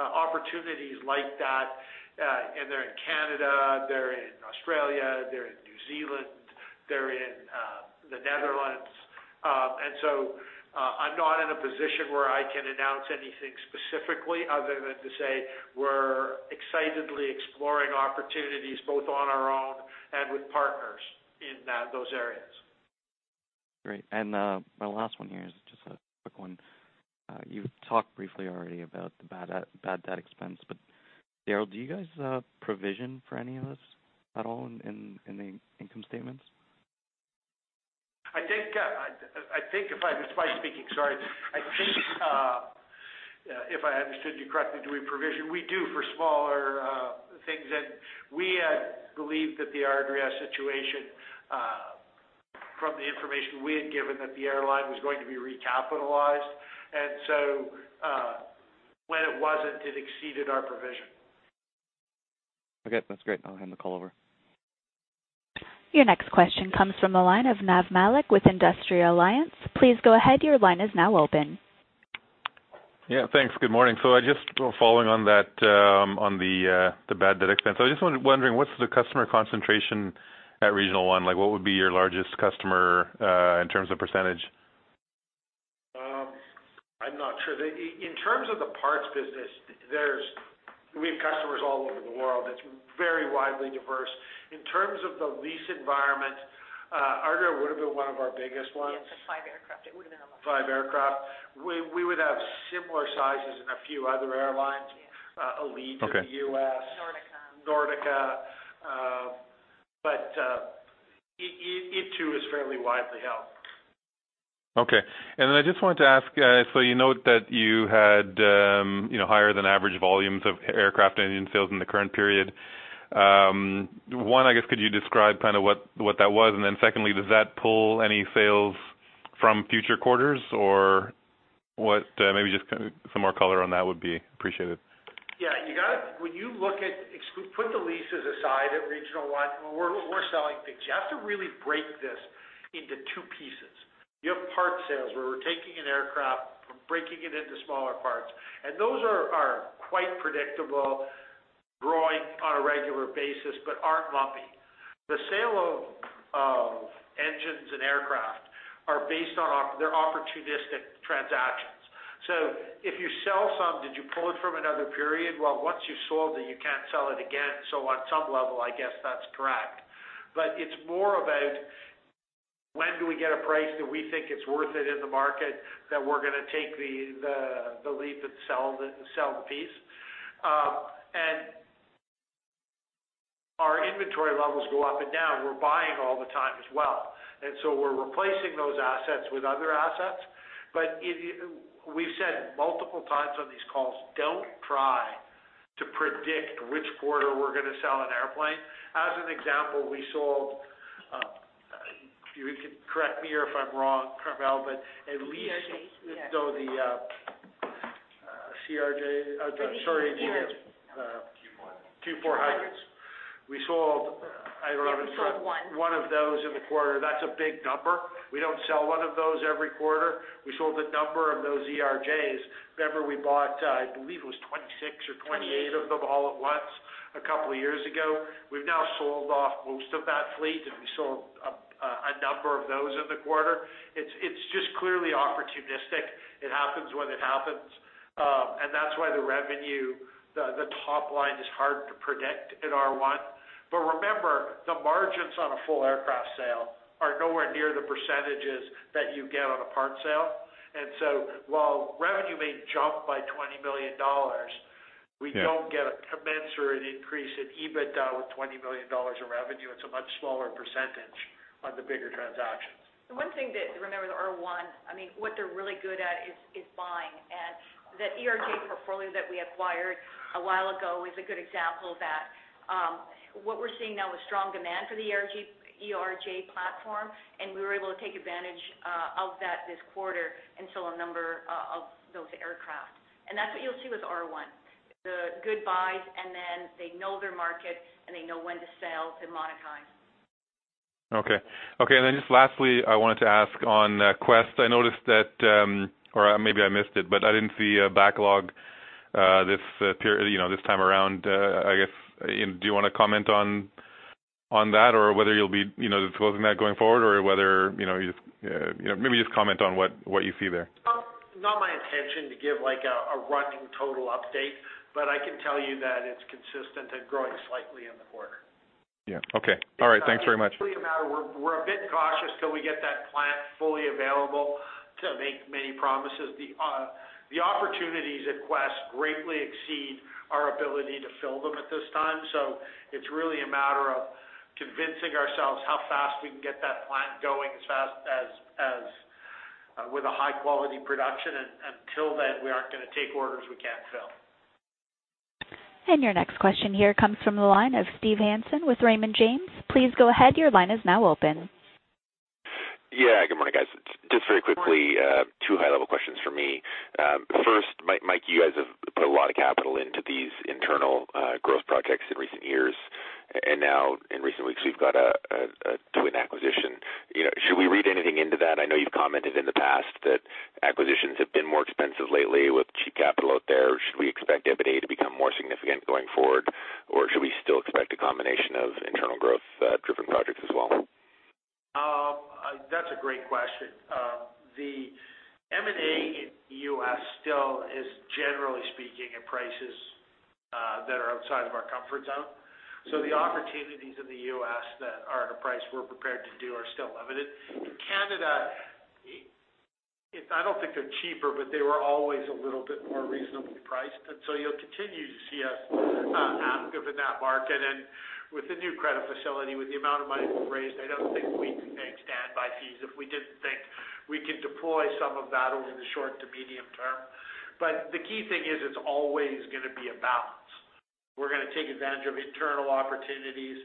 Opportunities like that, they're in Canada, they're in Australia, they're in New Zealand, they're in the Netherlands. I'm not in a position where I can announce anything specifically other than to say we're excitedly exploring opportunities both on our own and with partners in those areas. Great. My last one here is just a quick one. You've talked briefly already about the bad debt expense, Darryl, do you guys provision for any of this at all in the income statements? It's Mike speaking. Sorry. I think if I understood you correctly, do we provision? We do for smaller things. We had believed that the [Argair] situation from the information we had given, that the airline was going to be recapitalized. When it wasn't, it exceeded our provision. Okay, that's great. I'll hand the call over. Your next question comes from the line of Nav Malik with Industrial Alliance. Please go ahead. Your line is now open. Yeah, thanks. Good morning. Just following on the bad debt expense, I was just wondering, what's the customer concentration at Regional One? What would be your largest customer in terms of percentage? I'm not sure. In terms of the parts business, we have customers all over the world. It's very widely diverse. In terms of the lease environment, [Argair] would've been one of our biggest ones. Yes, the five aircraft. It would've been the most. Five aircraft. We would have similar sizes in a few other airlines. Yeah. Elite in the U.S. Nordica. Nordica. It too is fairly widely held. Okay. I just wanted to ask, you note that you had higher than average volumes of aircraft engine sales in the current period. One, I guess could you describe what that was? Secondly, does that pull any sales from future quarters? Maybe just some more color on that would be appreciated. Yeah. Put the leases aside at Regional One. We're selling things. You have to really break this into two pieces. You have parts sales where we're taking an aircraft, breaking it into smaller parts, those are quite predictable growing on a regular basis but aren't lumpy. The sale of engines and aircraft are based on their opportunistic transactions. If you sell some, did you pull it from another period? Well, once you sold it, you can't sell it again. On some level, I guess that's correct, but it's more about when do we get a price that we think it's worth it in the market, that we're going to take the leap and sell the piece. Our inventory levels go up and down. We're buying all the time as well, we're replacing those assets with other assets. We've said multiple times on these calls, don't try to predict which quarter we're going to sell an airplane. As an example, we sold, you can correct me if I'm wrong, Carmele. ERJ. The CRJ. Sorry. [AUDIO DISTORTION] Q4. Q400s. We only sold one. one of those in the quarter. That's a big number. We don't sell one of those every quarter. We sold a number of those ERJs. Remember we bought, I believe it was 26 or 28 of them all at once a couple of years ago. We've now sold off most of that fleet, we sold a number of those in the quarter. It's just clearly opportunistic. It happens when it happens. That's why the revenue, the top line is hard to predict at R1. Remember, the margins on a full aircraft sale are nowhere near the percentages that you get on a part sale. While revenue may jump by 20 million dollars, we don't get a commensurate increase in EBITDA with 20 million dollars of revenue. It's a much smaller percentage on the bigger transactions. The one thing that, remember, the R1, what they're really good at is buying. The ERJ portfolio that we acquired a while ago is a good example of that. What we're seeing now is strong demand for the ERJ platform, and we were able to take advantage of that this quarter and sell a number of those aircraft. That's what you'll see with R1, the good buys, and then they know their market, and they know when to sell to monetize. Okay. Just lastly, I wanted to ask on Quest, I noticed that or maybe I missed it, but I didn't see a backlog this time around. I guess, do you want to comment on that or whether you'll be disclosing that going forward or whether you just Maybe just comment on what you see there? It's not my intention to give a running total update, but I can tell you that it's consistent and growing slightly in the quarter. Yeah. Okay. All right. Thanks very much. We're a bit cautious till we get that plant fully available to make many promises. The opportunities at Quest greatly exceed our ability to fill them at this time. It's really a matter of convincing ourselves how fast we can get that plant going as fast as with a high quality production. Until then, we aren't going to take orders we can't fill. Your next question here comes from the line of Steve Hansen with Raymond James. Please go ahead. Your line is now open. Yeah, good morning, guys. Just very quickly two high-level questions for me. First, Mike, you guys have put a lot of capital into these internal growth projects in recent years, and now in recent weeks, you've got to an acquisition. Should we read anything into that? I know you've commented in the past that acquisitions have been more expensive lately with cheap capital out there. Should we expect M&A to become more significant going forward, or should we still expect a combination of internal growth driven projects as well? That's a great question. The M&A in the U.S. still is, generally speaking, at prices that are outside of our comfort zone. The opportunities in the U.S. that are at a price we're prepared to do are still limited. Canada, I don't think they're cheaper, they were always a little bit more reasonably priced, you'll continue to see us active in that market. With the new credit facility, with the amount of money we've raised, I don't think we could pay stand-by fees if we didn't think we could deploy some of that over the short to medium term. The key thing is it's always going to be a balance. We're going to take advantage of internal opportunities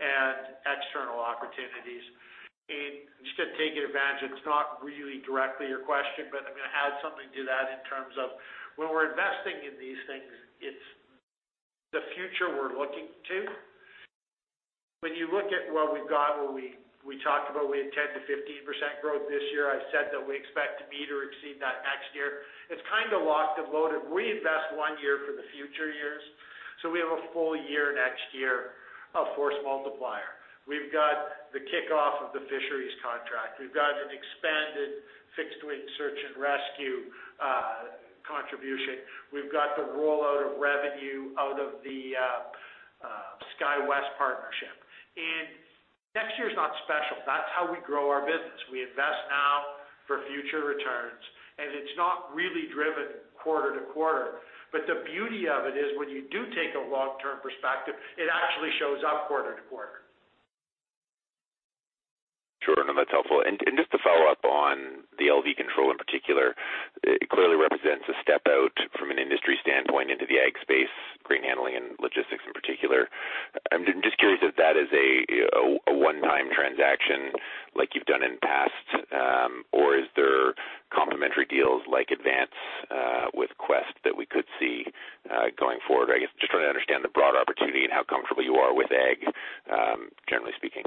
and external opportunities. Just to take advantage, it's not really directly your question, but I'm going to add something to that in terms of when we're investing in these things, it's the future we're looking to. When you look at what we've got, when we talked about we had 10%-15% growth this year, I said that we expect to meet or exceed that next year. It's locked and loaded. We invest one year for the future years. We have a full year next year of Force Multiplier. We've got the kickoff of the Fisheries contract. We've got an expanded fixed-wing search and rescue contribution. We've got the rollout of revenue out of the SkyWest partnership. Next year is not special. That's how we grow our business. We invest now for future returns, and it's not really driven quarter to quarter. The beauty of it is when you do take a long-term perspective, it actually shows up quarter-to-quarter. Sure, that's helpful. Just to follow up on the LV Control in particular, it clearly represents a step out from an industry standpoint into the ag space, grain handling and logistics in particular. I'm just curious if that is a one-time transaction like you've done in past or is there complementary deals like Advanced Window with Quest that we could see going forward? I guess, just trying to understand the broad opportunity and how comfortable you are with ag generally speaking.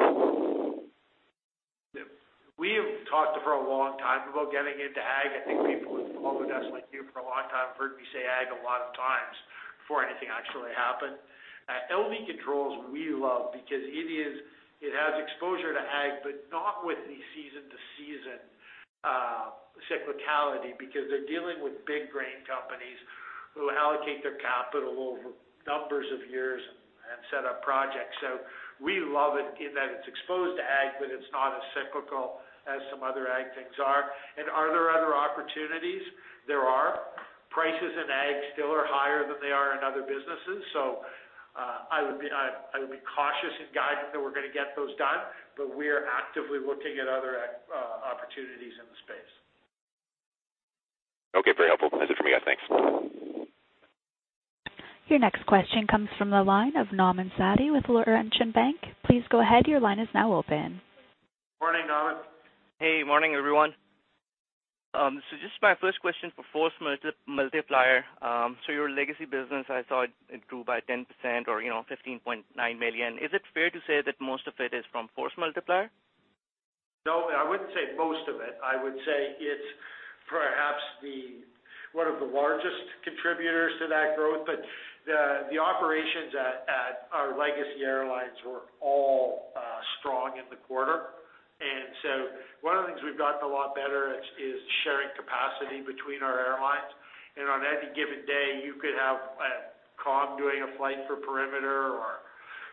We have talked for a long time about getting into ag. I think people who follow us, like you, for a long time have heard me say ag a lot of times before anything actually happened. LV Control, we love because it has exposure to ag, but not with the season-to-season cyclicality, because they're dealing with big grain companies who allocate their capital over numbers of years and set up projects. We love it in that it's exposed to ag, but it's not as cyclical as some other ag things are. Are there other opportunities? There are. Prices in ag still are higher than they are in other businesses. I would be cautious in guiding that we're going to get those done, but we are actively looking at other opportunities in the space. Okay. Very helpful. That's it for me, guys. Thanks. Your next question comes from the line of Nauman Satti with Laurentian Bank. Please go ahead, your line is now open. Morning, Nauman. Hey, morning everyone. Just my first question for Force Multiplier. Your legacy business, I saw it grew by 10% or 15.9 million. Is it fair to say that most of it is from Force Multiplier? No, I wouldn't say most of it. I would say it's perhaps one of the largest contributors to that growth. The operations at our Legacy Airlines were all strong in the quarter. One of the things we've gotten a lot better at is sharing capacity between our airlines. On any given day, you could have a Calm Air doing a flight for Perimeter Aviation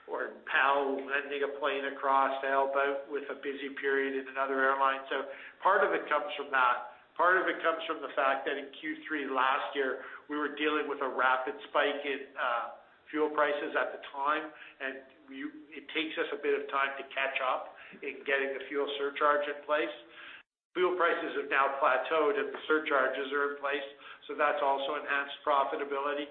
or PAL Aerospace lending a plane across to help out with a busy period in another airline. Part of it comes from that. Part of it comes from the fact that in Q3 last year, we were dealing with a rapid spike in fuel prices at the time, and it takes us a bit of time to catch up in getting the fuel surcharge in place. Fuel prices have now plateaued, and the surcharges are in place, so that's also enhanced profitability.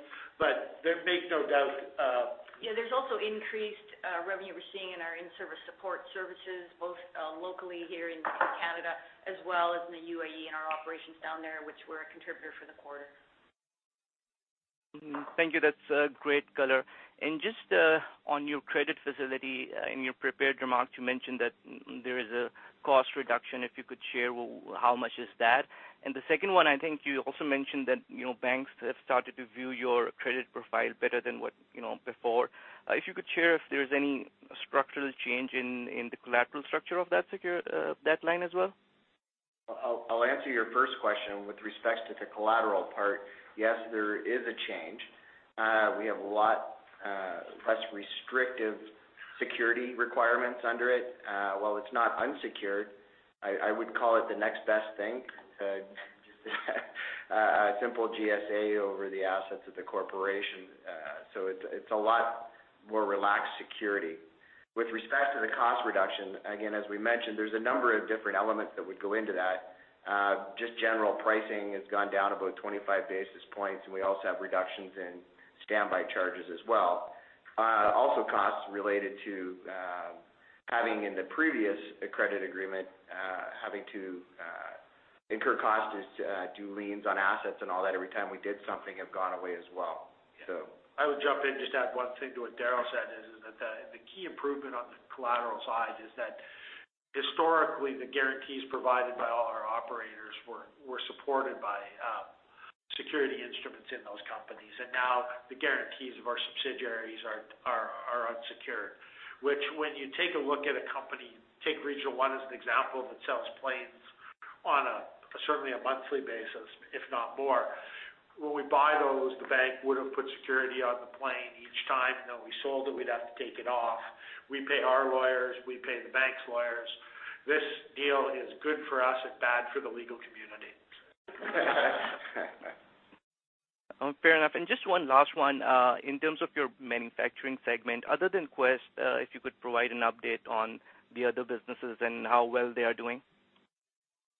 Make no doubt. Yeah, there's also increased revenue we're seeing in our in-service support services, both locally here in Canada as well as in the UAE, in our operations down there, which were a contributor for the quarter. Thank you. That's great color. Just on your credit facility, in your prepared remarks, you mentioned that there is a cost reduction, if you could share how much is that? The second one, I think you also mentioned that banks have started to view your credit profile better than before. If you could share if there's any structural change in the collateral structure of that line as well? I'll answer your first question with respect to the collateral part. Yes, there is a change. We have a lot less restrictive security requirements under it. While it's not unsecured, I would call it the next best thing, a simple GSA over the assets of the corporation. It's a lot more relaxed security. With respect to the cost reduction, again, as we mentioned, there's a number of different elements that would go into that. Just general pricing has gone down about 25 basis points, and we also have reductions in standby charges as well. Also costs related to having in the previous credit agreement, having to incur costs to do liens on assets and all that every time we did something have gone away as well. I would jump in, just to add one thing to what Darryl said, is that the key improvement on the collateral side is that historically, the guarantees provided by all our operators were supported by security instruments in those companies. Now the guarantees of our subsidiaries are unsecured. Which when you take a look at a company, take Regional One as an example, that sells planes on certainly a monthly basis, if not more. When we buy those, the bank would have put security on the plane each time. We sold it, we'd have to take it off. We pay our lawyers, we pay the bank's lawyers. This deal is good for us and bad for the legal community. Fair enough. Just one last one, in terms of your manufacturing segment, other than Quest, if you could provide an update on the other businesses and how well they are doing?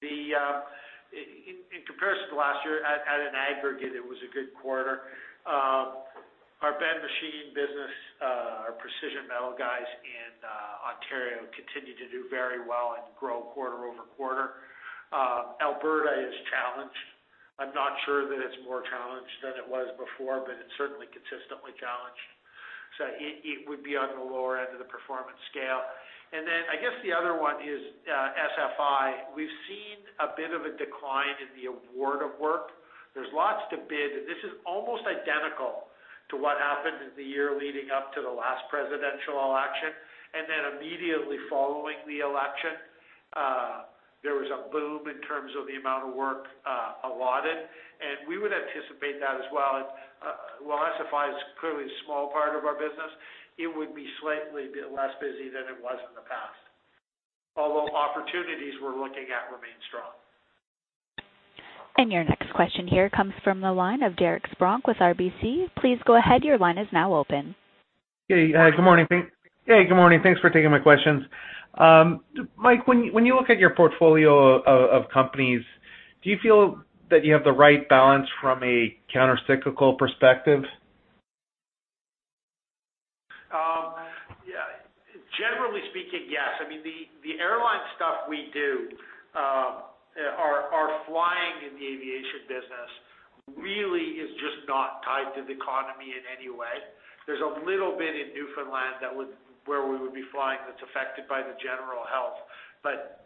In comparison to last year, at an aggregate, it was a good quarter. Our Ben Machine business, our precision metal guys in Ontario continue to do very well and grow quarter-over-quarter. Alberta is challenged. I'm not sure that it's more challenged than it was before, but it's certainly consistently challenged. It would be on the lower end of the performance scale. I guess the other one is SFI. We've seen a bit of a decline in the award of work. There's lots to bid, and this is almost identical to what happened in the year leading up to the last presidential election. Immediately following the election, there was a boom in terms of the amount of work allotted, and we would anticipate that as well. While SFI is clearly a small part of our business, it would be slightly a bit less busy than it was in the past, although opportunities we're looking at remain strong. Your next question here comes from the line of Derek Spronk with RBC. Please go ahead, your line is now open. Hey, good morning. Thanks for taking my questions. Mike, when you look at your portfolio of companies, do you feel that you have the right balance from a countercyclical perspective? Generally speaking, yes. I mean, the airline stuff we do, our flying in the aviation business really is just not tied to the economy in any way. There's a little bit in Newfoundland where we would be flying that's affected by the general health, but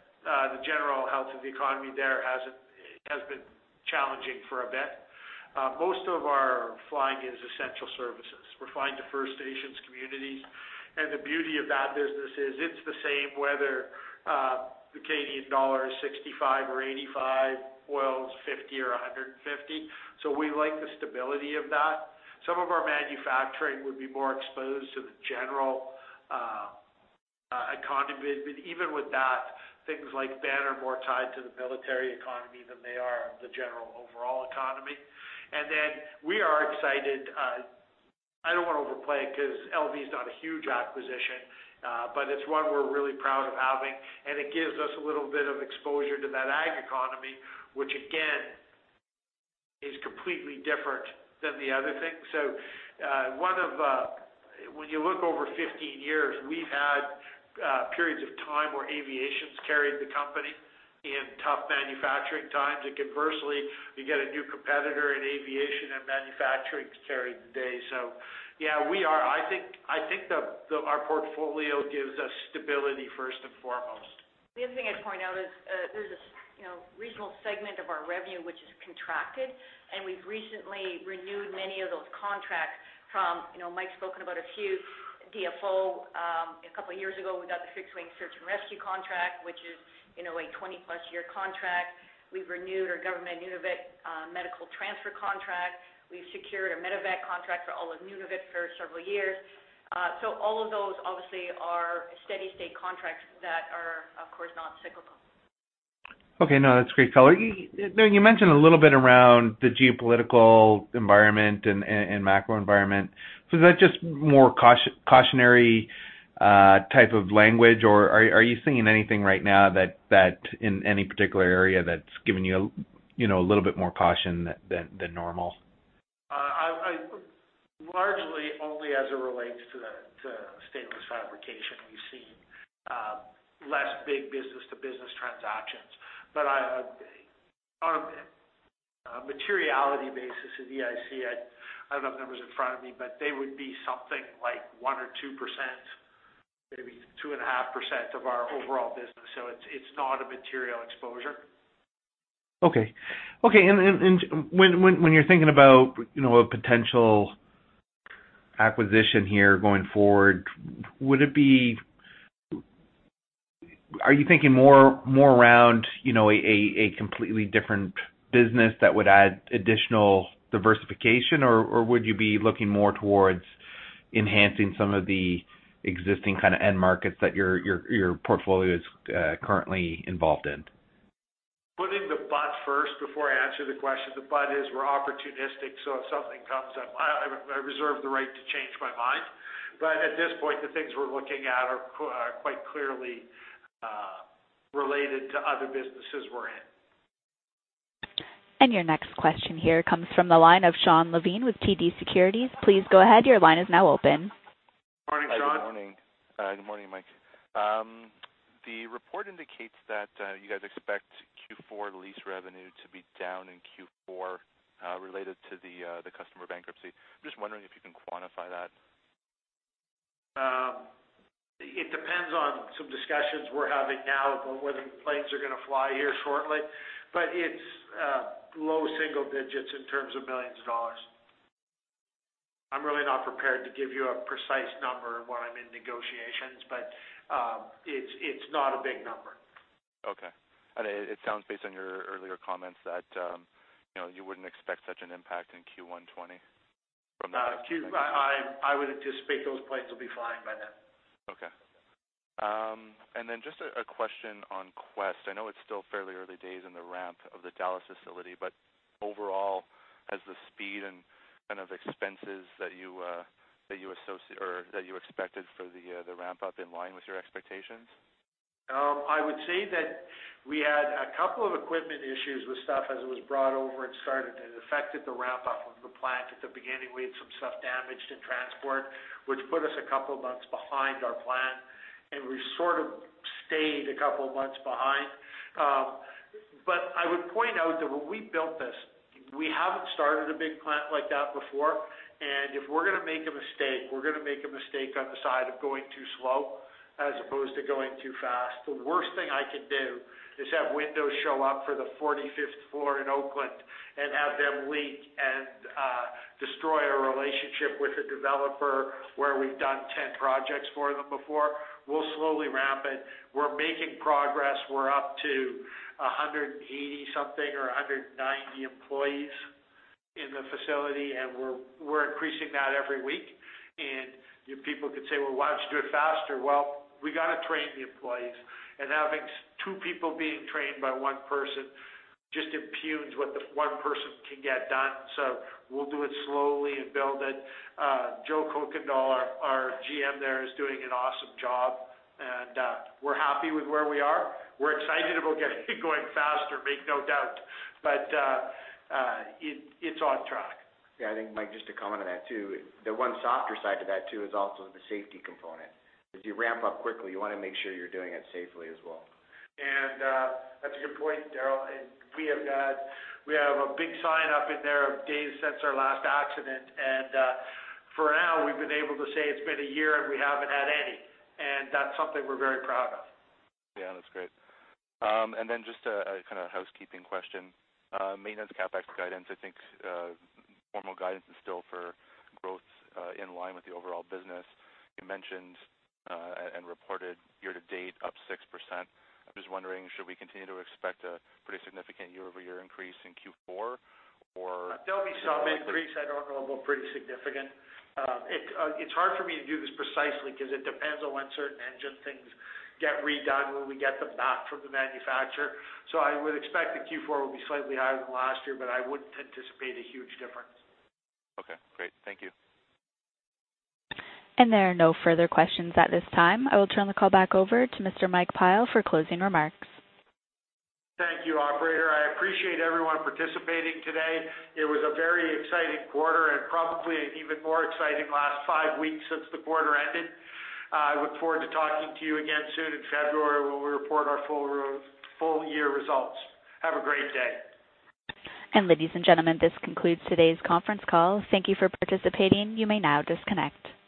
the general health of the economy there has been challenging for a bit. Most of our flying is essential services. We're flying to First Nations communities, and the beauty of that business is it's the same whether the Canadian dollar is 65 or 85, oil is 50 or 150. We like the stability of that. Some of our manufacturing would be more exposed to the general economy, but even with that, things like that are more tied to the military economy than they are the general overall economy. We are excited. I don't want to overplay it because LV is not a huge acquisition, but it's one we're really proud of having, and it gives us a little bit of exposure to that ag economy, which again, is completely different than the other things. When you look over 15 years, we've had periods of time where aviation's carried the company in tough manufacturing times, and conversely, you get a new competitor in aviation and manufacturing carried the day. Yeah, I think that our portfolio gives us stability first and foremost. The other thing I'd point out is there's a regional segment of our revenue, which is contracted, and we've recently renewed many of those contracts from, Mike's spoken about a few DFO. A couple of years ago, we got the fixed wing search and rescue contract, which is a 20+ year contract. We've renewed our government Nunavut medical transfer contract. We've secured a medevac contract for all of Nunavut for several years. All of those obviously are steady state contracts that are, of course, non-cyclical. Okay. No, that's great color. You mentioned a little bit around the geopolitical environment and macro environment. Is that just more cautionary type of language, or are you seeing anything right now in any particular area that's giving you a little bit more caution than normal? Largely only as it relates to Stainless Fabrication. We've seen less big business-to-business transactions. On a materiality basis of EIC, I don't have numbers in front of me, but they would be something like 1% or 2%, maybe 2.5% of our overall business, so it's not a material exposure. Okay. When you're thinking about a potential acquisition here going forward, are you thinking more around a completely different business that would add additional diversification, or would you be looking more towards enhancing some of the existing end markets that your portfolio is currently involved in? Putting the but first before I answer the question, the but is we're opportunistic, so if something comes up, I reserve the right to change my mind. At this point, the things we're looking at are quite clearly related to other businesses we're in. Your next question here comes from the line of Shawn Levine with TD Securities. Please go ahead, your line is now open. Morning, Shawn. Good morning. Good morning, Mike. The report indicates that you guys expect Q4 lease revenue to be down in Q4 related to the customer bankruptcy. I'm just wondering if you can quantify that. It depends on some discussions we're having now about whether the planes are going to fly here shortly. It's low single digits in terms of millions of dollars. I'm really not prepared to give you a precise number when I'm in negotiations. It's not a big number. Okay. It sounds based on your earlier comments that you wouldn't expect such an impact in Q1 2020 from that. I would anticipate those planes will be flying by then. Okay. Just a question on Quest. I know it's still fairly early days in the ramp of the Dallas facility, but overall, has the speed and expenses that you expected for the ramp-up in line with your expectations? I would say that we had a couple of equipment issues with stuff as it was brought over and started, and it affected the ramp-up of the plant. At the beginning, we had some stuff damaged in transport, which put us a couple of months behind our plan, and we sort of stayed a couple of months behind. I would point out that when we built this, we haven't started a big plant like that before, and if we're going to make a mistake, we're going to make a mistake on the side of going too slow as opposed to going too fast. The worst thing I could do is have windows show up for the 45th floor in Oakland and have them leak and destroy a relationship with a developer where we've done 10 projects for them before. We'll slowly ramp it. We're making progress. We're up to 180 something or 190 employees in the facility. We're increasing that every week. People could say, "Well, why don't you do it faster?" Well, we got to train the employees, and having two people being trained by one person just impunes what the one person can get done. We'll do it slowly and build it. Joe Kuykendall, our GM there, is doing an awesome job, and we're happy with where we are. We're excited about getting it going faster, make no doubt. It's on track. Yeah, I think, Mike, just to comment on that, too. The one softer side to that, too, is also the safety component. As you ramp up quickly, you want to make sure you're doing it safely as well. That's a good point, Darryl, and we have a big sign up in there of days since our last accident, and for now, we've been able to say it's been a year and we haven't had any, and that's something we're very proud of. Yeah, that's great. Just a kind of housekeeping question. Maintenance CapEx guidance, I think formal guidance is still for growth in line with the overall business. You mentioned and reported year to date up 6%. I'm just wondering, should we continue to expect a pretty significant year-over-year increase in Q4? There'll be some increase. I don't know about pretty significant. It's hard for me to do this precisely because it depends on when certain engine things get redone, when we get them back from the manufacturer. I would expect that Q4 will be slightly higher than last year, but I wouldn't anticipate a huge difference. Okay, great. Thank you. There are no further questions at this time. I will turn the call back over to Mr. Mike Pyle for closing remarks. Thank you, operator. I appreciate everyone participating today. It was a very exciting quarter and probably an even more exciting last five weeks since the quarter ended. I look forward to talking to you again soon in February when we report our full year results. Have a great day. Ladies and gentlemen, this concludes today's conference call. Thank you for participating. You may now disconnect.